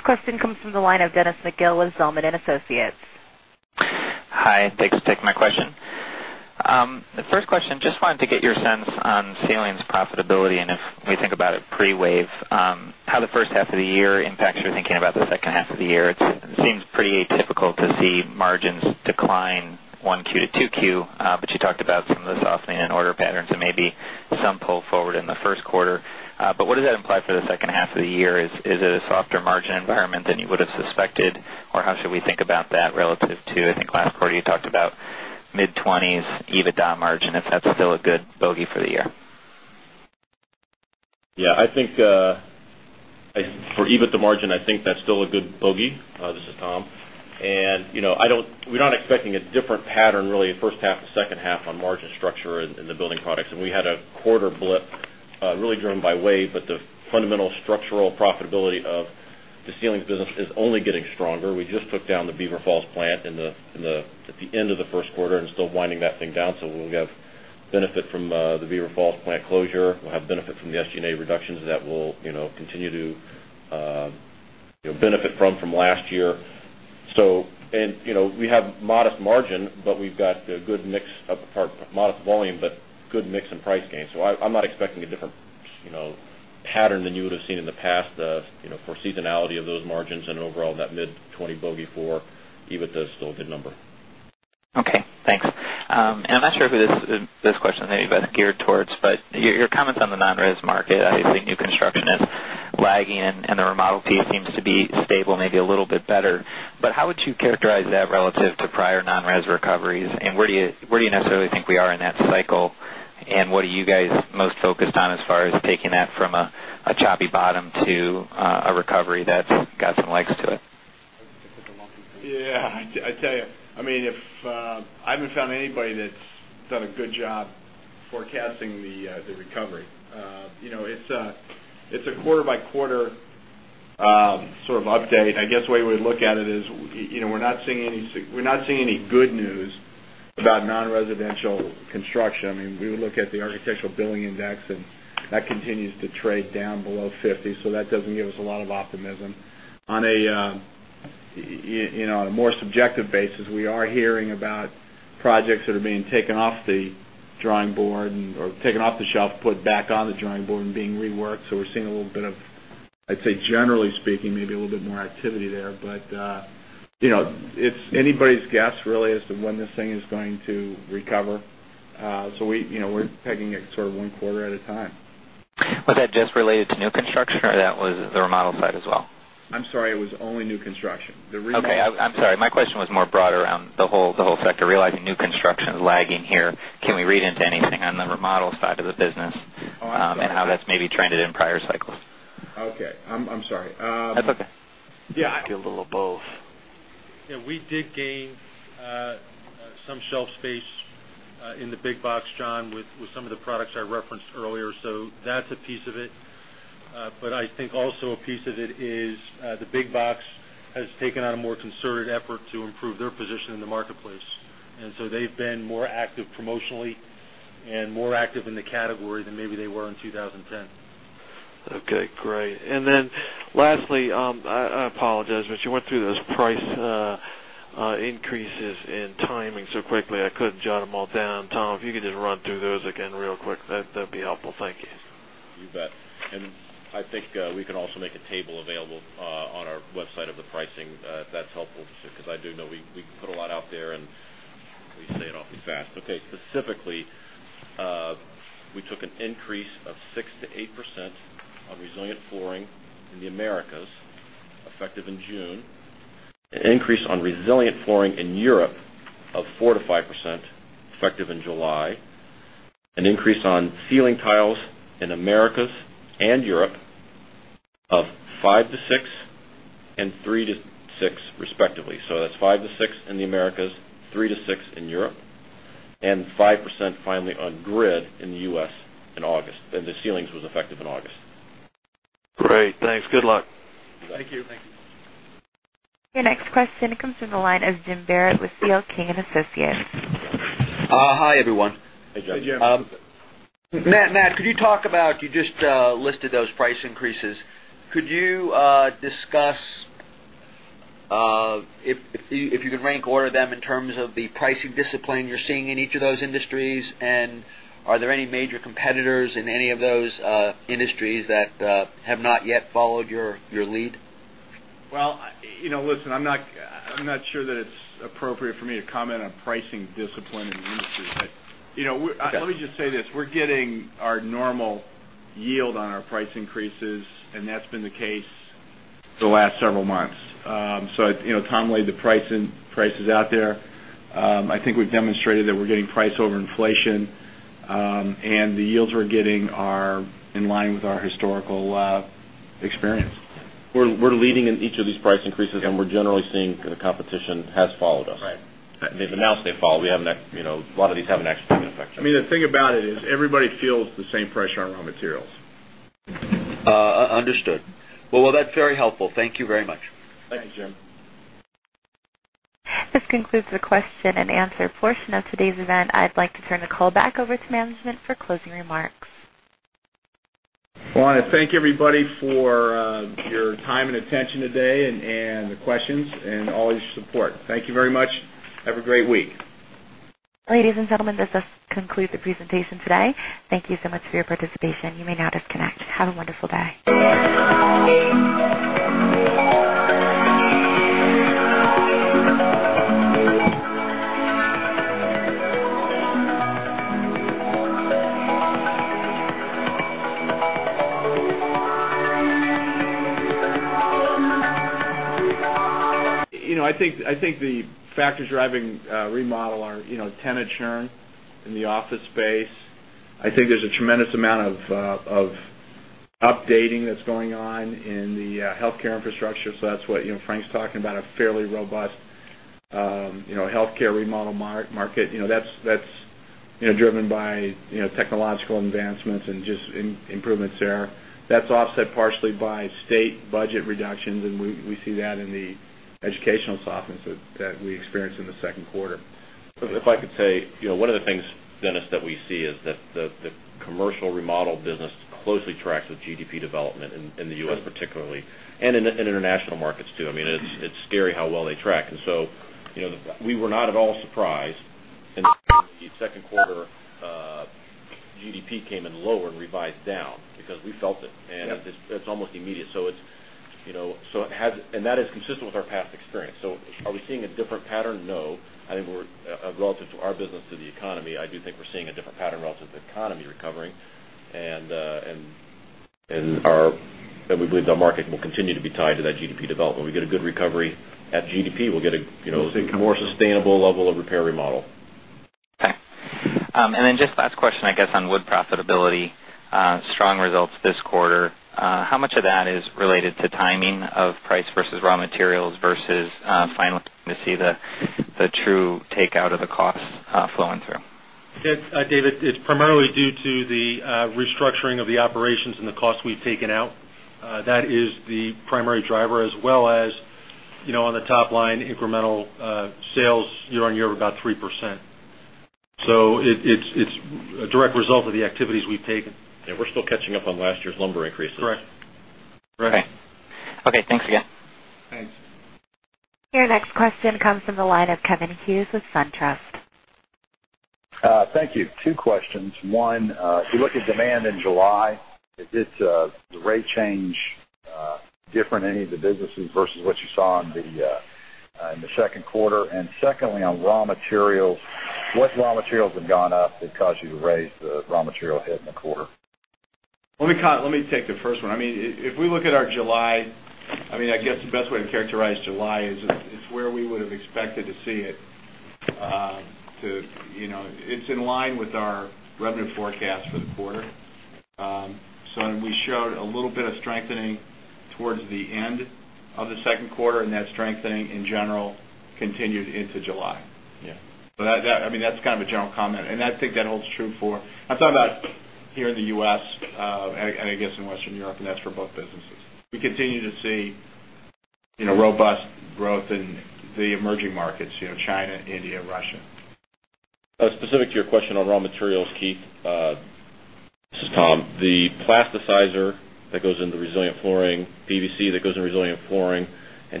We're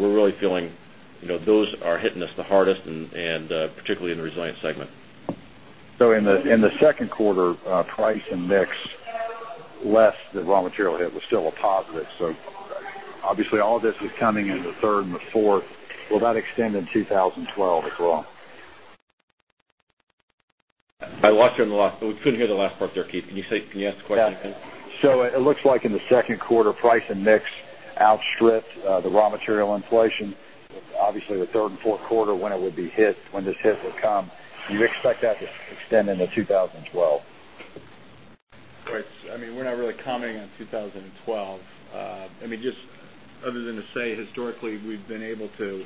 really feeling, you know, those are hitting us the hardest, and particularly in the resilient segment. In the second quarter, price/mix less than raw material hit was still a positive. Obviously, all of this was coming in the third and the fourth. Will that extend in 2012 as well? I lost you on the last, but we couldn't hear the last part there, Keith. Can you ask the question again? It looks like in the second quarter, price/mix outstripped the raw material inflation. Obviously, the third and fourth quarter, when it would be hit, when this hit would come, you'd expect that to extend into 2012. All right. We're not really commenting on 2012, just other than to say historically, we've been able to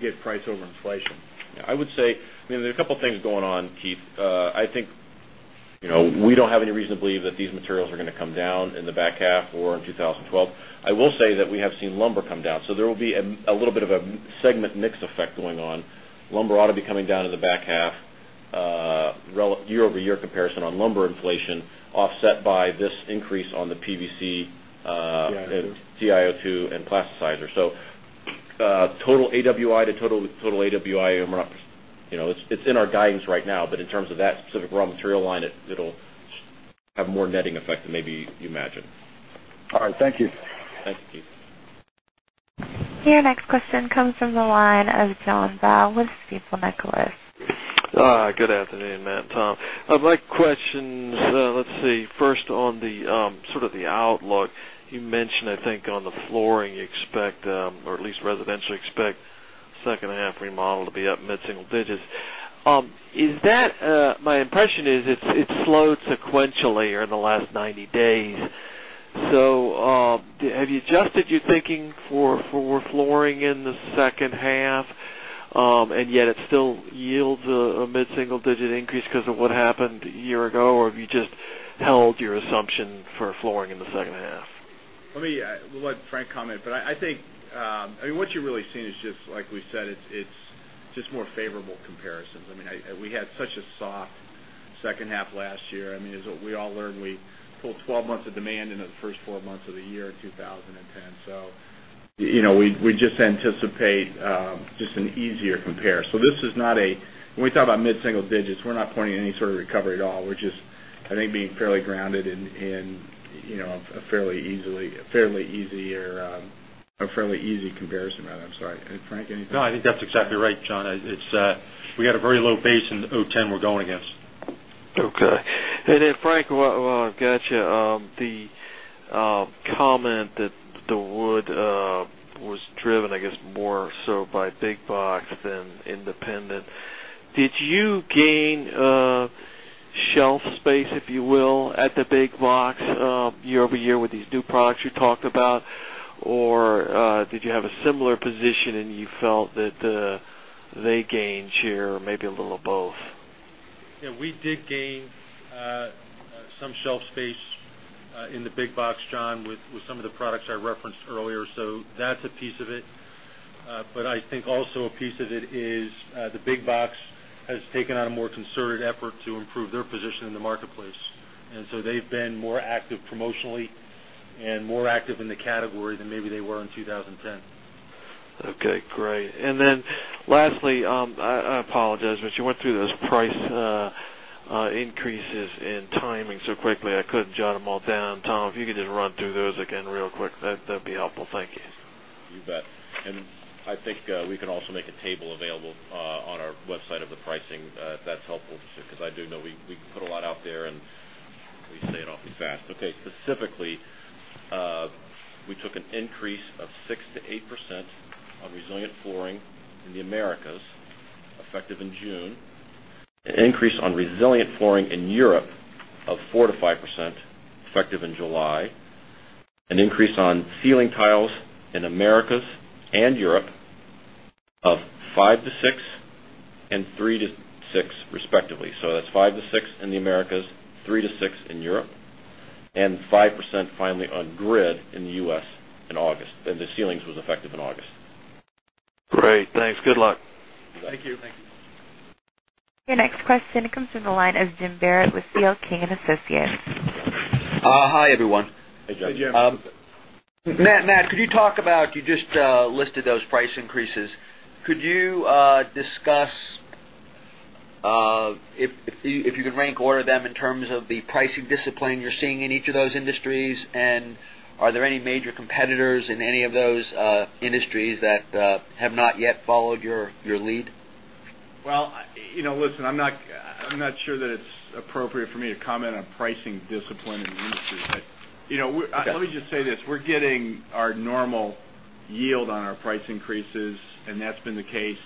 get price over inflation. Yeah, I would say, I mean, there's a couple of things going on, Keith. I think, you know, we don't have any reason to believe that these materials are going to come down in the back half or in 2012. I will say that we have seen lumber come down, so there will be a little bit of a segment mix effect going on. Lumber ought to be coming down in the back half. Year-over-year comparison on lumber inflation offset by this increase on the PVC, titanium dioxide, and plasticizer. Total AWI to total AWI, and we're not, you know, it's in our guidance right now, but in terms of that specific raw material line, it'll have more netting effect than maybe you imagined. All right, thank you. Thanks. Your next question comes from the line of John Baugh with Stifel Nicolaus. Good afternoon, Matt and Tom. My question, let's see, first on the sort of the outlook. You mentioned, I think, on the flooring, you expect, or at least residential, expect I mean, what you're really seeing is just, like we said, it's just more favorable comparisons. I mean, we had such a soft second half last year. As we all learned, we pulled 12 months of demand into the first 12 months of the year in 2010. You know, we just anticipate an easier comparison. This is not a, when we talk about mid-single digits, we're not pointing to any sort of recovery at all. We're just, I think, being fairly grounded in a fairly easy comparison rather. I'm sorry. And Frank, anything? No, I think that's exactly right, John. We've got a very low base in 2010 we're going against. Okay. Frank, I got you. The comment that the wood was driven, I guess, more so by big box than independent. Did you gain shelf space, if you will, at the big box year over year with these new products you talked about, or did you have a similar position and you felt that they gained share or maybe a little of both? Yeah, we did gain some shelf space in the big box, John, with some of the products I referenced earlier. That's a piece of it, but I think also a piece of it is the big box has taken on a more concerted effort to improve their position in the marketplace. They've been more active promotionally and more active in the category than maybe they were in 2010. Okay. Great. Lastly, I apologize, but you went through those price increases and timing so quickly I couldn't jot them all down. Tom, if you could just run through those again real quick, that'd be helpful. Thank you. You bet. I think we can also make a table available on our website of the pricing. That's helpful to share because I do know we put a lot out there and we say it off the bat. Specifically, we took an increase of 6%-8% on resilient flooring in the Americas effective in June, an increase on resilient flooring in Europe of 4%-5% effective in July, an increase on ceiling tiles in the Americas and Europe of 5%-6% and 3%-6%, respectively. That's 5%-6% in the Americas, 3%-6% in Europe, and 5% finally on grid in the U.S. in August. The ceilings was effective in August. Great. Thanks. Good luck. Your next question comes from the line of Jim Barrett with CL King and Associates. Hi, everyone. Hey, Jim. Matt, could you talk about, you just listed those price increases. Could you discuss if you can rank order them in terms of the pricing discipline you're seeing in each of those industries? Are there any major competitors in any of those industries that have not yet followed your lead? I'm not sure that it's appropriate for me to comment on pricing discipline in industries. Let me just say this. We're getting our normal yield on our price increases, and that's been the case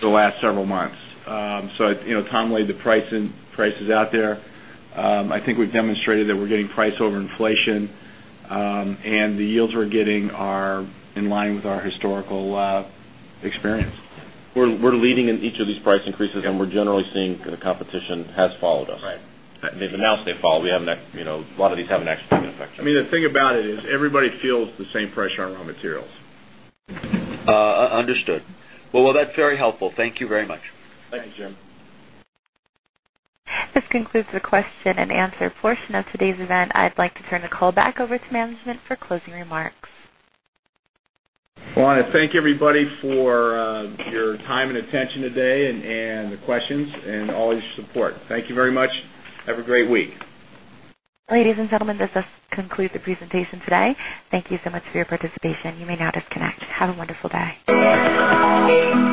for the last several months. Tom laid the prices out there. I think we've demonstrated that we're getting price over inflation, and the yields we're getting are in line with our historical experience. We're leading in each of these price increases, and we're generally seeing the competition has followed us. Right. They've announced they follow. We haven't, you know, a lot of these haven't actually been affected. I mean, the thing about it is everybody feels the same pressure on raw materials. Understood. That’s very helpful. Thank you very much. Thank you, Jim. This concludes the question and answer portion of today's event. I'd like to turn the call back over to management for closing remarks. I want to thank everybody for your time and attention today and the questions and all your support. Thank you very much. Have a great week. Ladies and gentlemen, this concludes the presentation today. Thank you so much for your participation. You may now disconnect. Have a wonderful day.